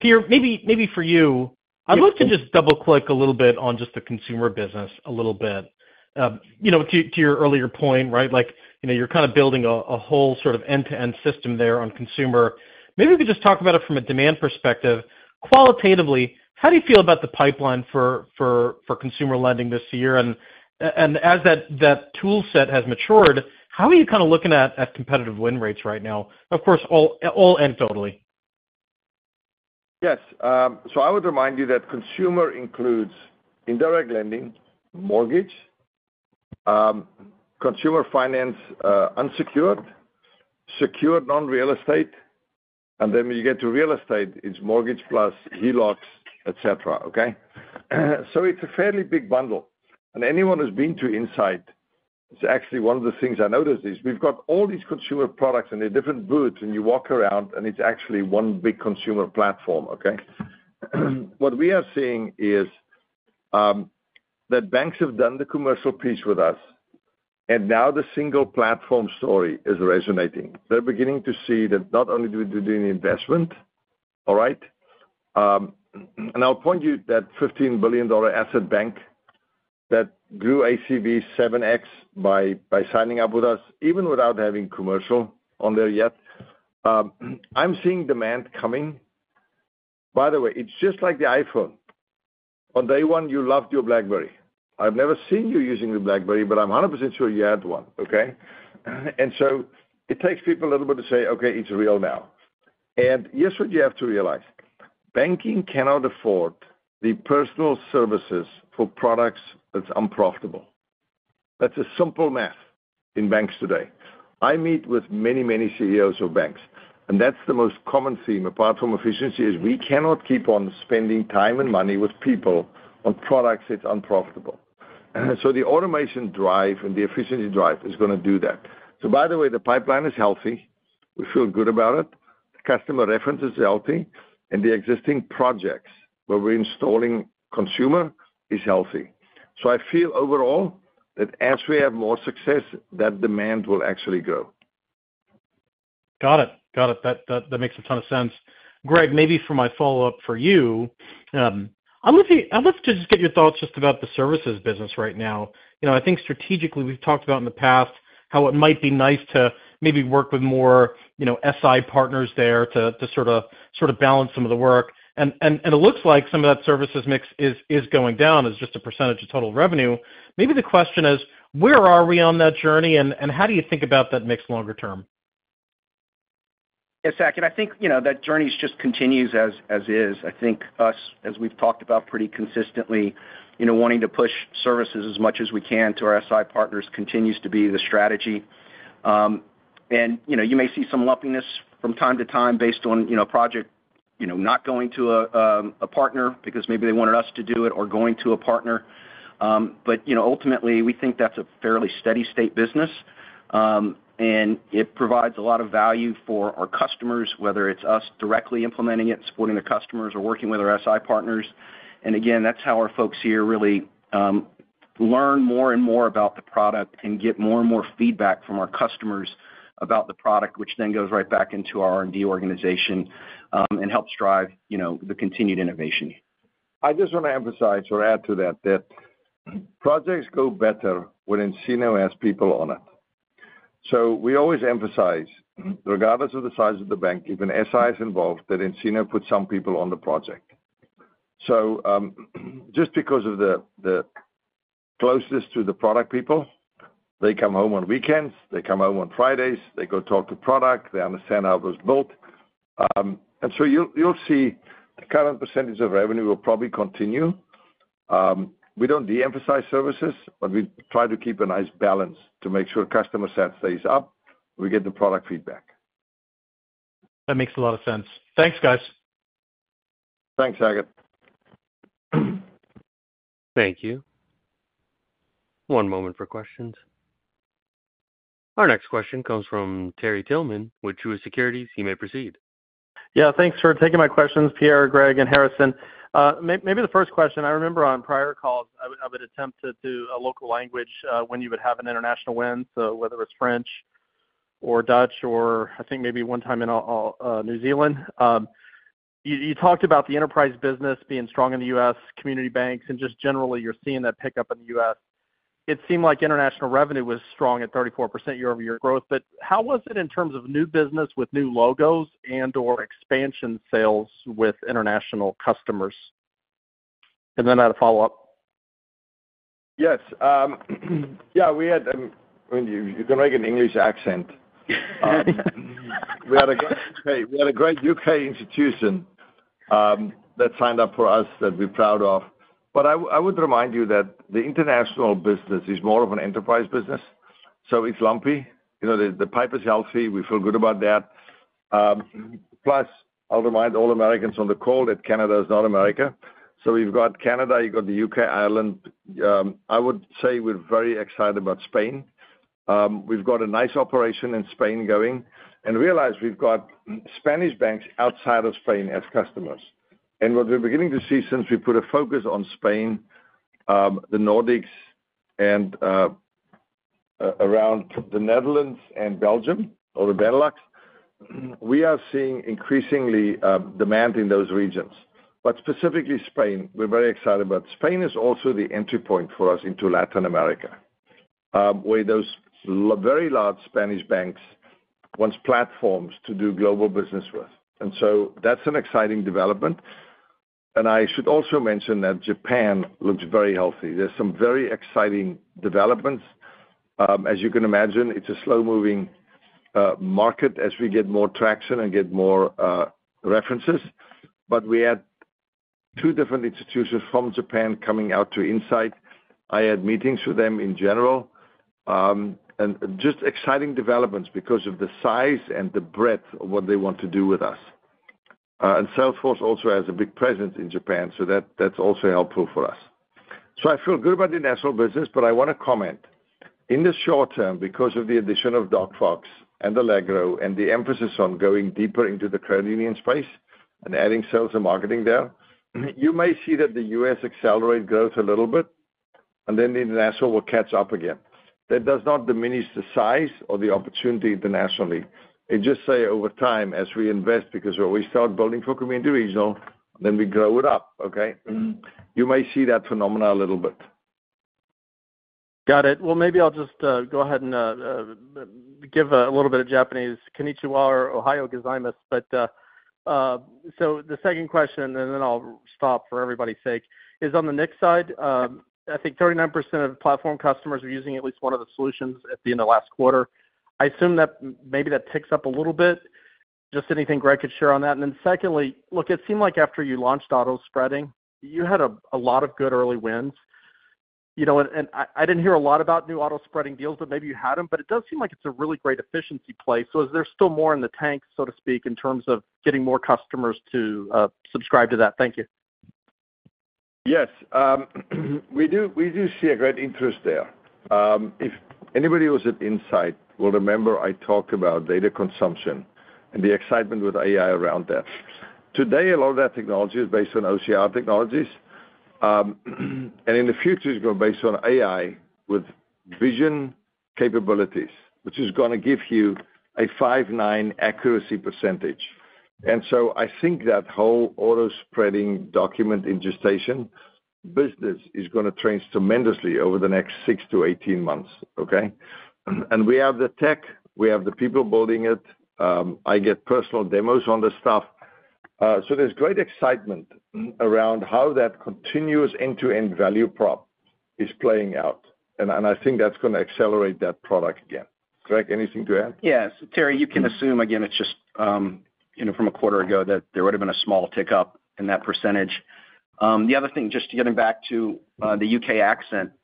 Pierre, maybe, maybe for you, I'd love to just double-click a little bit on just the consumer business a little bit. You know, to, to your earlier point, right, like, you know, you're kind of building a, a whole sort of end-to-end system there on consumer. Maybe you could just talk about it from a demand perspective. Qualitatively, how do you feel about the pipeline for, for, for consumer lending this year? And, and as that, that tool set has matured, how are you kind of looking at, at competitive win rates right now? Of course, all, all and totally. Yes. So I would remind you that consumer includes indirect lending, mortgage, consumer finance, unsecured, secured non-real estate, and then when you get to real estate, it's mortgage plus HELOCs, et cetera, okay? So it's a fairly big bundle, and anyone who's been to nSight, it's actually one of the things I noticed, is we've got all these consumer products in their different booths, and you walk around, and it's actually one big consumer platform, okay? What we are seeing is, that banks have done the commercial piece with us, and now the single platform story is resonating. They're beginning to see that not only do we do the investment, all right, and I'll point you that $15 billion asset bank that grew ACV 7x by signing up with us, even without having commercial on there yet. I'm seeing demand coming. By the way, it's just like the iPhone. On day one, you loved your BlackBerry. I've never seen you using a BlackBerry, but I'm 100% sure you had one, okay? And so it takes people a little bit to say, "Okay, it's real now." And here's what you have to realize, banking cannot afford the personal services for products that's unprofitable. That's a simple math in banks today. I meet with many, many CEOs of banks, and that's the most common theme, apart from efficiency, is we cannot keep on spending time and money with people on products it's unprofitable. And so the automation drive and the efficiency drive is going to do that. So by the way, the pipeline is healthy. We feel good about it. The customer reference is healthy, and the existing projects where we're installing consumer is healthy. I feel overall that as we have more success, that demand will actually grow. Got it. Got it. That makes a ton of sense. Greg, maybe for my follow-up for you, I'd love to just get your thoughts just about the services business right now. You know, I think strategically, we've talked about in the past how it might be nice to maybe work with more, you know, SI partners there to sort of balance some of the work. And it looks like some of that services mix is going down as just a percentage of total revenue. Maybe the question is, where are we on that journey, and how do you think about that mix longer term? Yeah, Saket, and I think, you know, that journey just continues as is. I think us, as we've talked about pretty consistently, you know, wanting to push services as much as we can to our SI partners continues to be the strategy. And, you know, you may see some lumpiness from time to time based on, you know, a project, you know, not going to a partner because maybe they wanted us to do it or going to a partner. But, you know, ultimately, we think that's a fairly steady state business, and it provides a lot of value for our customers, whether it's us directly implementing it, supporting their customers, or working with our SI partners. And again, that's how our folks here really learn more and more about the product and get more and more feedback from our customers about the product, which then goes right back into our R&D organization and helps drive, you know, the continued innovation. I just want to emphasize or add to that, that projects go better when nCino has people on it. So we always emphasize, regardless of the size of the bank, even if SI is involved, that nCino puts some people on the project. So, just because of the, the closeness to the product people, they come home on weekends, they come home on Fridays, they go talk to product, they understand how it was built. And so you'll, you'll see the current percentage of revenue will probably continue. We don't de-emphasize services, but we try to keep a nice balance to make sure customer sat stays up, we get the product feedback. That makes a lot of sense. Thanks, guys. Thanks, Zach. Thank you. One moment for questions. Our next question comes from Terry Tillman with Truist Securities. You may proceed. Yeah, thanks for taking my questions, Pierre, Greg, and Harrison. Maybe the first question, I remember on prior calls, I would attempt to do a local language when you would have an international win, so whether it's French or Dutch or I think maybe one time in New Zealand. You talked about the enterprise business being strong in the U.S. community banks, and just generally, you're seeing that pickup in the U.S. It seemed like international revenue was strong at 34% year-over-year growth, but how was it in terms of new business with new logos and/or expansion sales with international customers? And then I had a follow-up. Yes, yeah, we had, when you—you can make an English accent. We had a great, we had a great UK institution that signed up for us that we're proud of. But I would remind you that the international business is more of an enterprise business, so it's lumpy. You know, the pipe is healthy. We feel good about that. Plus, I'll remind all Americans on the call that Canada is not America. So we've got Canada, you've got the UK, Ireland. I would say we're very excited about Spain. We've got a nice operation in Spain going, and realize we've got Spanish banks outside of Spain as customers. What we're beginning to see since we put a focus on Spain, the Nordics, and around the Netherlands and Belgium, or the Benelux, we are seeing increasingly demand in those regions. But specifically Spain, we're very excited about. Spain is also the entry point for us into Latin America, where those very large Spanish banks wants platforms to do global business with. And so that's an exciting development. And I should also mention that Japan looks very healthy. There's some very exciting developments. As you can imagine, it's a slow-moving market as we get more traction and get more references. But we had two different institutions from Japan coming out to nSight. I had meetings with them in general, and just exciting developments because of the size and the breadth of what they want to do with us. And Salesforce also has a big presence in Japan, so that, that's also helpful for us. So I feel good about the international business, but I want to comment. In the short term, because of the addition of DocFox and Allegro and the emphasis on going deeper into the consumer space and adding sales and marketing there, you may see that the U.S. accelerate growth a little bit, and then the international will catch up again. That does not diminish the size or the opportunity internationally. It just say, over time, as we invest, because when we start building from individual, then we grow it up, okay? You may see that phenomena a little bit. Got it. Well, maybe I'll just go ahead and give a little bit of Japanese. Konnichiwa or Ohayo gozaimasu. But so the second question, and then I'll stop for everybody's sake, is on the next side. I think 39% of platform customers are using at least one of the solutions at the end of last quarter. I assume that maybe that ticks up a little bit. Just anything Greg could share on that. And then secondly, look, it seemed like after you launched AutoSpreading, you had a lot of good early wins. You know, and I didn't hear a lot about new AutoSpreading deals, but maybe you had them, but it does seem like it's a really great efficiency play. Is there still more in the tank, so to speak, in terms of getting more customers to subscribe to that? Thank you. Yes, we do, we do see a great interest there. If anybody who was at nSight will remember, I talked about data consumption and the excitement with AI around that. Today, a lot of that technology is based on OCR technologies, and in the future, it's going to be based on AI with vision capabilities, which is gonna give you a 99.999% accuracy percentage. And so I think that whole AutoSpreading document ingestion business is gonna change tremendously over the next 6-18 months, okay? And we have the tech, we have the people building it, I get personal demos on this stuff. So there's great excitement around how that continuous end-to-end value prop is playing out, and I think that's gonna accelerate that product again. Greg, anything to add? Yes. Terry, you can assume, again, it's just, you know, from a quarter ago, that there would have been a small tick up in that percentage. The other thing, just to getting back to the UK aspect,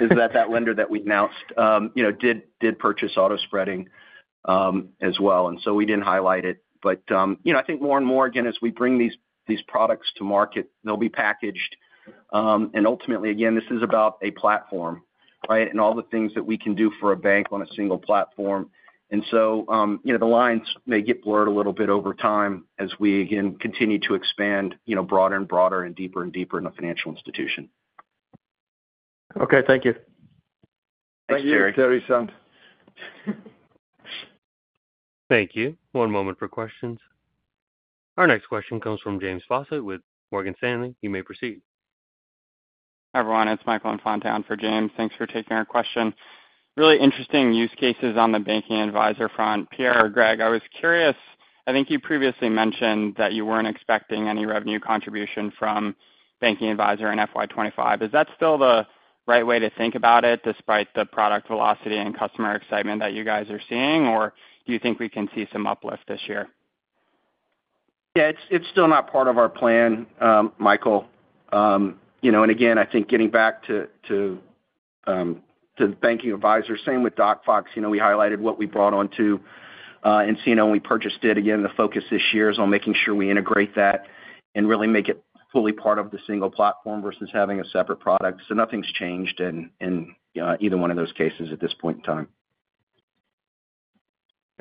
is that that lender that we announced, you know, did purchase AutoSpreading as well, and so we didn't highlight it. But, you know, I think more and more, again, as we bring these, these products to market, they'll be packaged. And ultimately, again, this is about a platform, right? And all the things that we can do for a bank on a single platform. And so, you know, the lines may get blurred a little bit over time as we, again, continue to expand, you know, broader and broader and deeper and deeper in a financial institution. Okay, thank you. Thanks, Terry. Thank you, Terry-san. Thank you. One moment for questions. Our next question comes from James Fausett with Morgan Stanley. You may proceed. Hi, everyone, it's Michael Infante in for James. Thanks for taking our question. Really interesting use cases on the Banking Advisor front. Pierre or Greg, I was curious, I think you previously mentioned that you weren't expecting any revenue contribution from Banking Advisor in FY 25. Is that still the right way to think about it, despite the product velocity and customer excitement that you guys are seeing, or do you think we can see some uplift this year? Yeah, it's still not part of our plan, Michael. You know, and again, I think getting back to the Banking Advisor, same with DocFox. You know, we highlighted what we brought on to and seeing when we purchased it. Again, the focus this year is on making sure we integrate that and really make it fully part of the single platform versus having a separate product. So nothing's changed in either one of those cases at this point in time.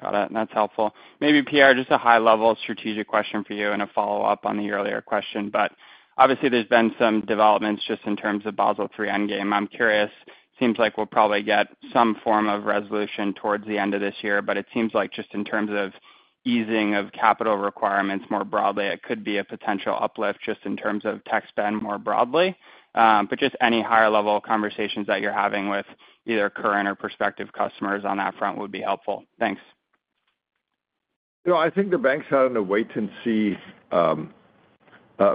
Got it. That's helpful. Maybe, Pierre, just a high-level strategic question for you and a follow-up on the earlier question. But obviously, there's been some developments just in terms of Basel III endgame. I'm curious, seems like we'll probably get some form of resolution towards the end of this year, but it seems like just in terms of easing of capital requirements more broadly, it could be a potential uplift just in terms of tech spend more broadly. But just any higher level conversations that you're having with either current or prospective customers on that front would be helpful. Thanks. You know, I think the banks are in a wait-and-see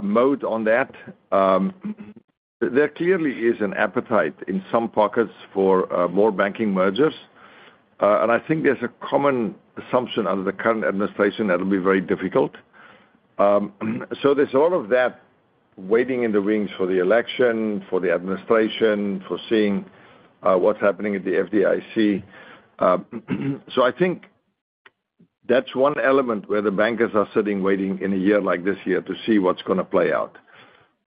mode on that. There clearly is an appetite in some pockets for more banking mergers, and I think there's a common assumption under the current administration that it'll be very difficult. So there's a lot of that waiting in the wings for the election, for the administration, for seeing what's happening at the FDIC. So I think that's one element where the bankers are sitting, waiting in a year like this year to see what's gonna play out.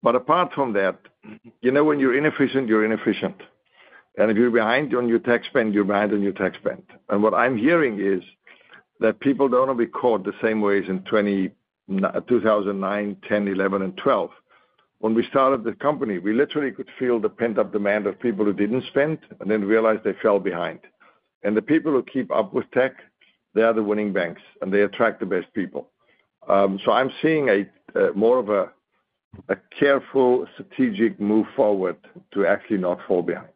But apart from that, you know, when you're inefficient, you're inefficient. And if you're behind on your tech spend, you're behind on your tech spend. And what I'm hearing is that people don't want to be caught the same way as in 2009, 2010, 2011, and 2012. When we started the company, we literally could feel the pent-up demand of people who didn't spend and then realized they fell behind. And the people who keep up with tech, they are the winning banks, and they attract the best people. So I'm seeing a more of a careful, strategic move forward to actually not fall behind.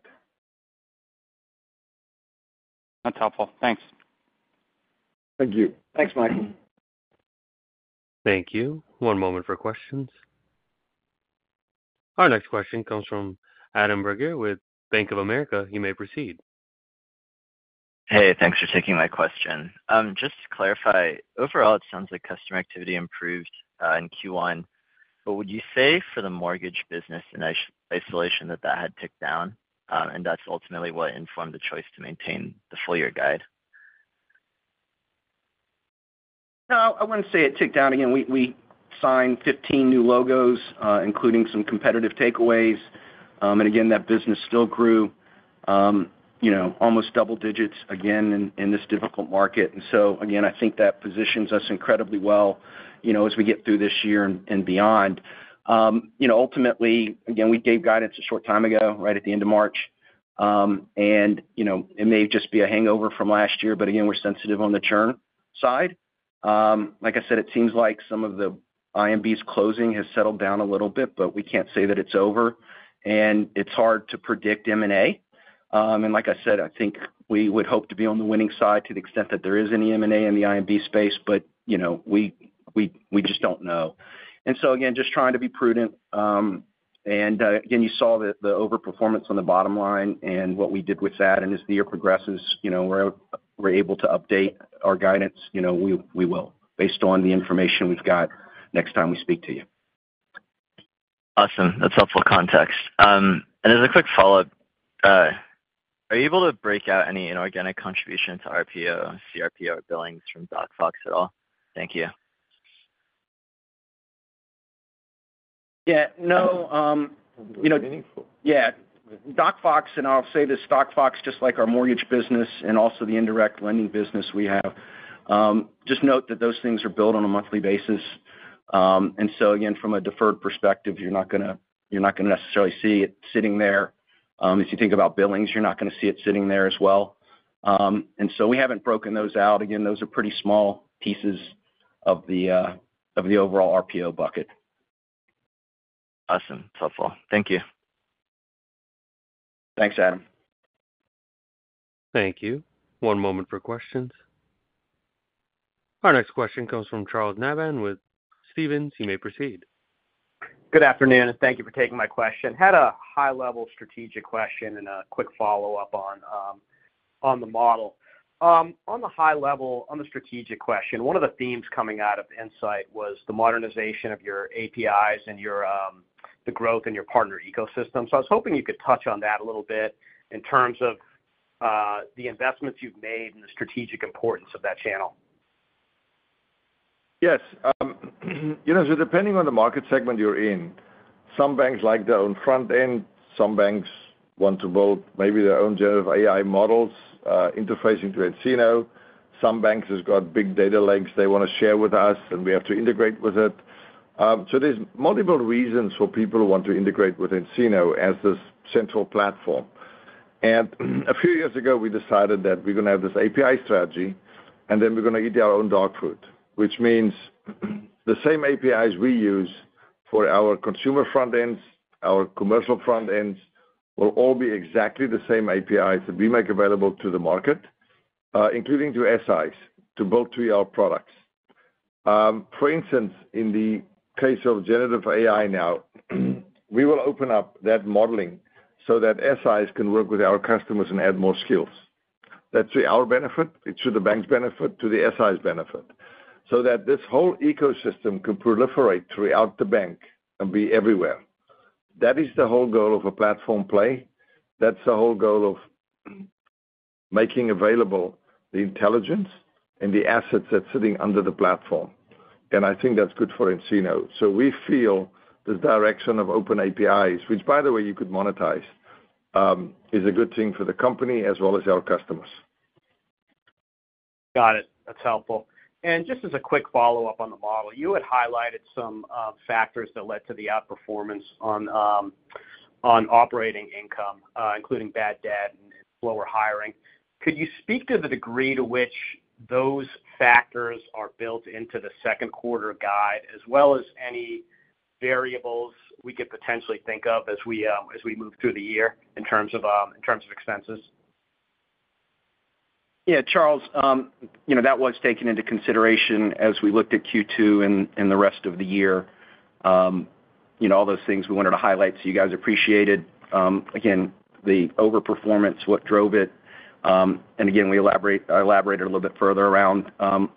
That's helpful. Thanks. Thank you. Thanks, Mike. Thank you. One moment for questions. Our next question comes from Adam Bergere with Bank of America. You may proceed. Hey, thanks for taking my question. Just to clarify, overall, it sounds like customer activity improved in Q1, but would you say for the mortgage business in isolation, that had ticked down, and that's ultimately what informed the choice to maintain the full year guide? No, I wouldn't say it ticked down. Again, we signed 15 new logos, including some competitive takeaways. And again, that business still grew, you know, almost double digits again in this difficult market. And so again, I think that positions us incredibly well, you know, as we get through this year and beyond. You know, ultimately, again, we gave guidance a short time ago, right at the end of March. And, you know, it may just be a hangover from last year, but again, we're sensitive on the churn side. Like I said, it seems like some of the IMB's closing has settled down a little bit, but we can't say that it's over, and it's hard to predict M&A. And like I said, I think we would hope to be on the winning side to the extent that there is any M&A in the IMB space, but, you know, we just don't know. And so again, just trying to be prudent. And again, you saw the overperformance on the bottom line and what we did with that. And as the year progresses, you know, we're able to update our guidance, you know, we will, based on the information we've got next time we speak to you. Awesome. That's helpful context. And as a quick follow-up, are you able to break out any inorganic contribution to RPO, CRPO billings from DocFox at all? Thank you. Yeah, no, you know- Meaningful. Yeah. DocFox, and I'll say this, DocFox, just like our mortgage business and also the indirect lending business we have, just note that those things are billed on a monthly basis. And so again, from a deferred perspective, you're not gonna, you're not gonna necessarily see it sitting there. If you think about billings, you're not gonna see it sitting there as well. And so we haven't broken those out. Again, those are pretty small pieces of the, of the overall RPO bucket. Awesome. Helpful. Thank you. Thanks, Adam. Thank you. One moment for questions. Our next question comes from Charles Nabhan with Stephens. You may proceed. Good afternoon, and thank you for taking my question. Had a high-level strategic question and a quick follow-up on, on the model. On the high level, on the strategic question, one of the themes coming out of nSight was the modernization of your APIs and your, the growth in your partner ecosystem. So I was hoping you could touch on that a little bit in terms of, the investments you've made and the strategic importance of that channel. Yes. You know, so depending on the market segment you're in, some banks like their own front end, some banks want to build maybe their own Generative AI models, interfacing to nCino. Some banks has got big data lakes they want to share with us, and we have to integrate with it. So there's multiple reasons for people who want to integrate with nCino as this central platform. And a few years ago, we decided that we're gonna have this API strategy, and then we're gonna eat our own dog food, which means the same APIs we use for our consumer front ends, our commercial front ends, will all be exactly the same APIs that we make available to the market, including to SIs, to build to our products. For instance, in the case of generative AI now, we will open up that modeling so that SIs can work with our customers and add more skills. That's to our benefit, it's to the bank's benefit, to the SI's benefit, so that this whole ecosystem can proliferate throughout the bank and be everywhere. That is the whole goal of a platform play. That's the whole goal of making available the intelligence and the assets that's sitting under the platform, and I think that's good for nCino. So we feel this direction of open APIs, which, by the way, you could monetize, is a good thing for the company as well as our customers. Got it. That's helpful. Just as a quick follow-up on the model, you had highlighted some factors that led to the outperformance on operating income, including bad debt and lower hiring. Could you speak to the degree to which those factors are built into the second quarter guide, as well as any variables we could potentially think of as we move through the year in terms of expenses? Yeah, Charles, you know, that was taken into consideration as we looked at Q2 and the rest of the year. You know, all those things we wanted to highlight, so you guys appreciated, again, the overperformance, what drove it. And again, we elaborated a little bit further around,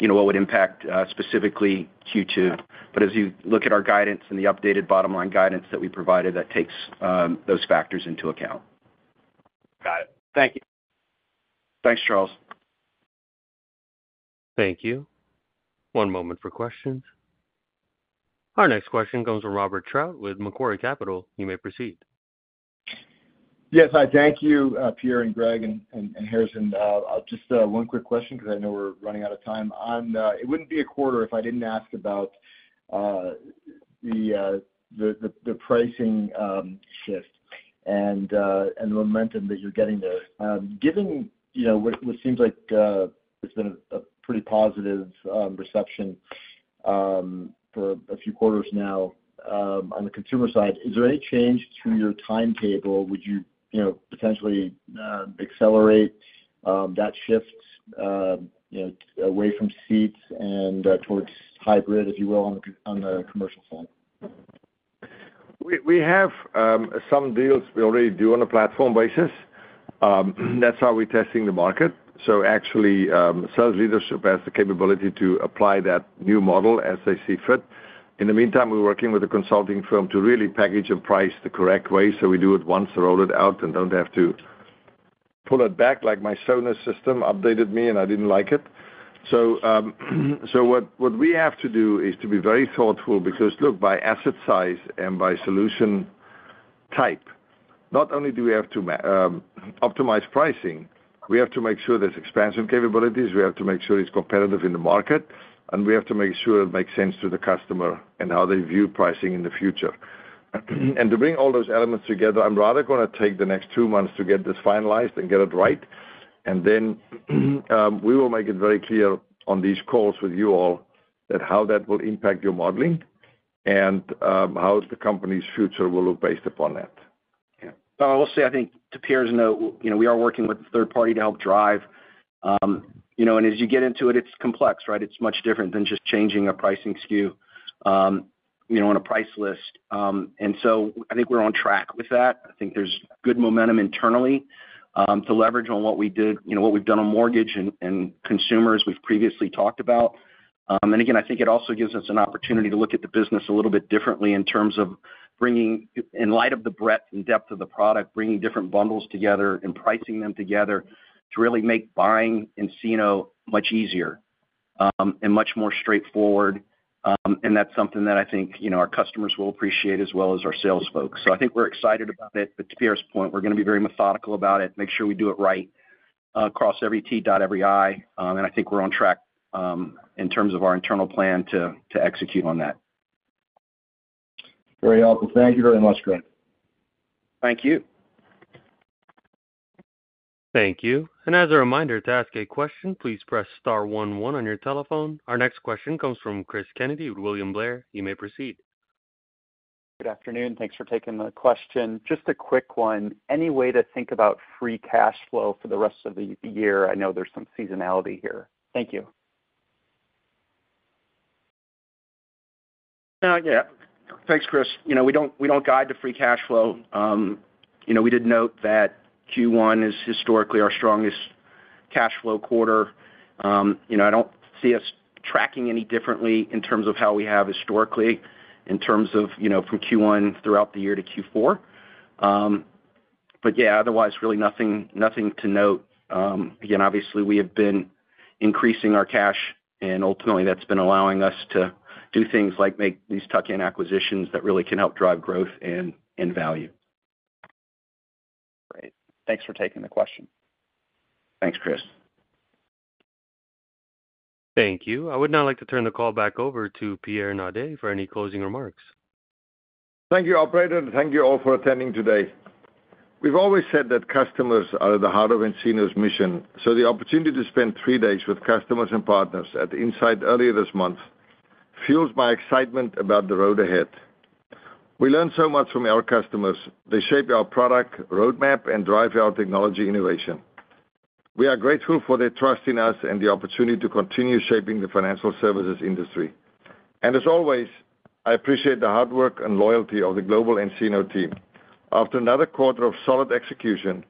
you know, what would impact specifically Q2. But as you look at our guidance and the updated bottom-line guidance that we provided, that takes those factors into account. Thank you. Thanks, Charles. Thank you. One moment for questions. Our next question comes from Robert Trevena with Macquarie Capital. You may proceed. Yes, hi. Thank you, Pierre and Greg and Harrison. I'll just one quick question, 'cause I know we're running out of time. On it wouldn't be a quarter if I didn't ask about the pricing shift and the momentum that you're getting there. Given you know what seems like it's been a pretty positive reception for a few quarters now on the consumer side, is there any change to your timetable? Would you you know potentially accelerate that shift you know away from seats and towards hybrid, if you will, on the commercial side? We have some deals we already do on a platform basis. That's how we're testing the market. So actually, sales leadership has the capability to apply that new model as they see fit. In the meantime, we're working with a consulting firm to really package and price the correct way, so we do it once, roll it out, and don't have to pull it back, like my Sonos system updated me, and I didn't like it. So, what we have to do is to be very thoughtful, because look, by asset size and by solution type, not only do we have to optimize pricing, we have to make sure there's expansion capabilities, we have to make sure it's competitive in the market, and we have to make sure it makes sense to the customer and how they view pricing in the future. To bring all those elements together, I'm rather gonna take the next two months to get this finalized and get it right. Then, we will make it very clear on these calls with you all that how that will impact your modeling and, how the company's future will look based upon that. Yeah. I will say, I think, to Pierre's note, you know, we are working with a third party to help drive... You know, and as you get into it, it's complex, right? It's much different than just changing a pricing SKU, you know, on a price list. And so I think we're on track with that. I think there's good momentum internally to leverage on what we did, you know, what we've done on mortgage and, and consumers we've previously talked about. And again, I think it also gives us an opportunity to look at the business a little bit differently in terms of bringing, in light of the breadth and depth of the product, bringing different bundles together and pricing them together to really make buying nCino much easier, and much more straightforward. And that's something that I think, you know, our customers will appreciate as well as our sales folks. So I think we're excited about it, but to Pierre's point, we're gonna be very methodical about it, make sure we do it right, cross every t, dot every i. And I think we're on track, in terms of our internal plan to execute on that. Very helpful. Thank you very much, Greg. Thank you. Thank you. As a reminder, to ask a question, please press star one one on your telephone. Our next question comes from Chris Kennedy with William Blair. You may proceed. Good afternoon. Thanks for taking the question. Just a quick one. Any way to think about free cash flow for the rest of the year? I know there's some seasonality here. Thank you. Yeah. Thanks, Chris. You know, we don't, we don't guide to free cash flow. You know, we did note that Q1 is historically our strongest cash flow quarter. You know, I don't see us tracking any differently in terms of how we have historically, in terms of, you know, from Q1 throughout the year to Q4. But yeah, otherwise, really nothing, nothing to note. Again, obviously, we have been increasing our cash, and ultimately, that's been allowing us to do things like make these tuck-in acquisitions that really can help drive growth and, and value. Great. Thanks for taking the question. Thanks, Chris. Thank you. I would now like to turn the call back over to Pierre Naudé for any closing remarks. Thank you, operator, and thank you all for attending today. We've always said that customers are the heart of nCino's mission, so the opportunity to spend three days with customers and partners at nSight earlier this month fuels my excitement about the road ahead. We learn so much from our customers. They shape our product, roadmap, and drive our technology innovation. We are grateful for their trust in us and the opportunity to continue shaping the financial services industry. As always, I appreciate the hard work and loyalty of the global nCino team. After another quarter of solid execution,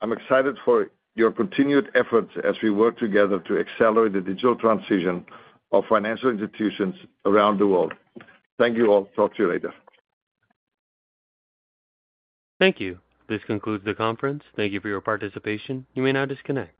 I'm excited for your continued efforts as we work together to accelerate the digital transition of financial institutions around the world. Thank you all. Talk to you later. Thank you. This concludes the conference. Thank you for your participation. You may now disconnect.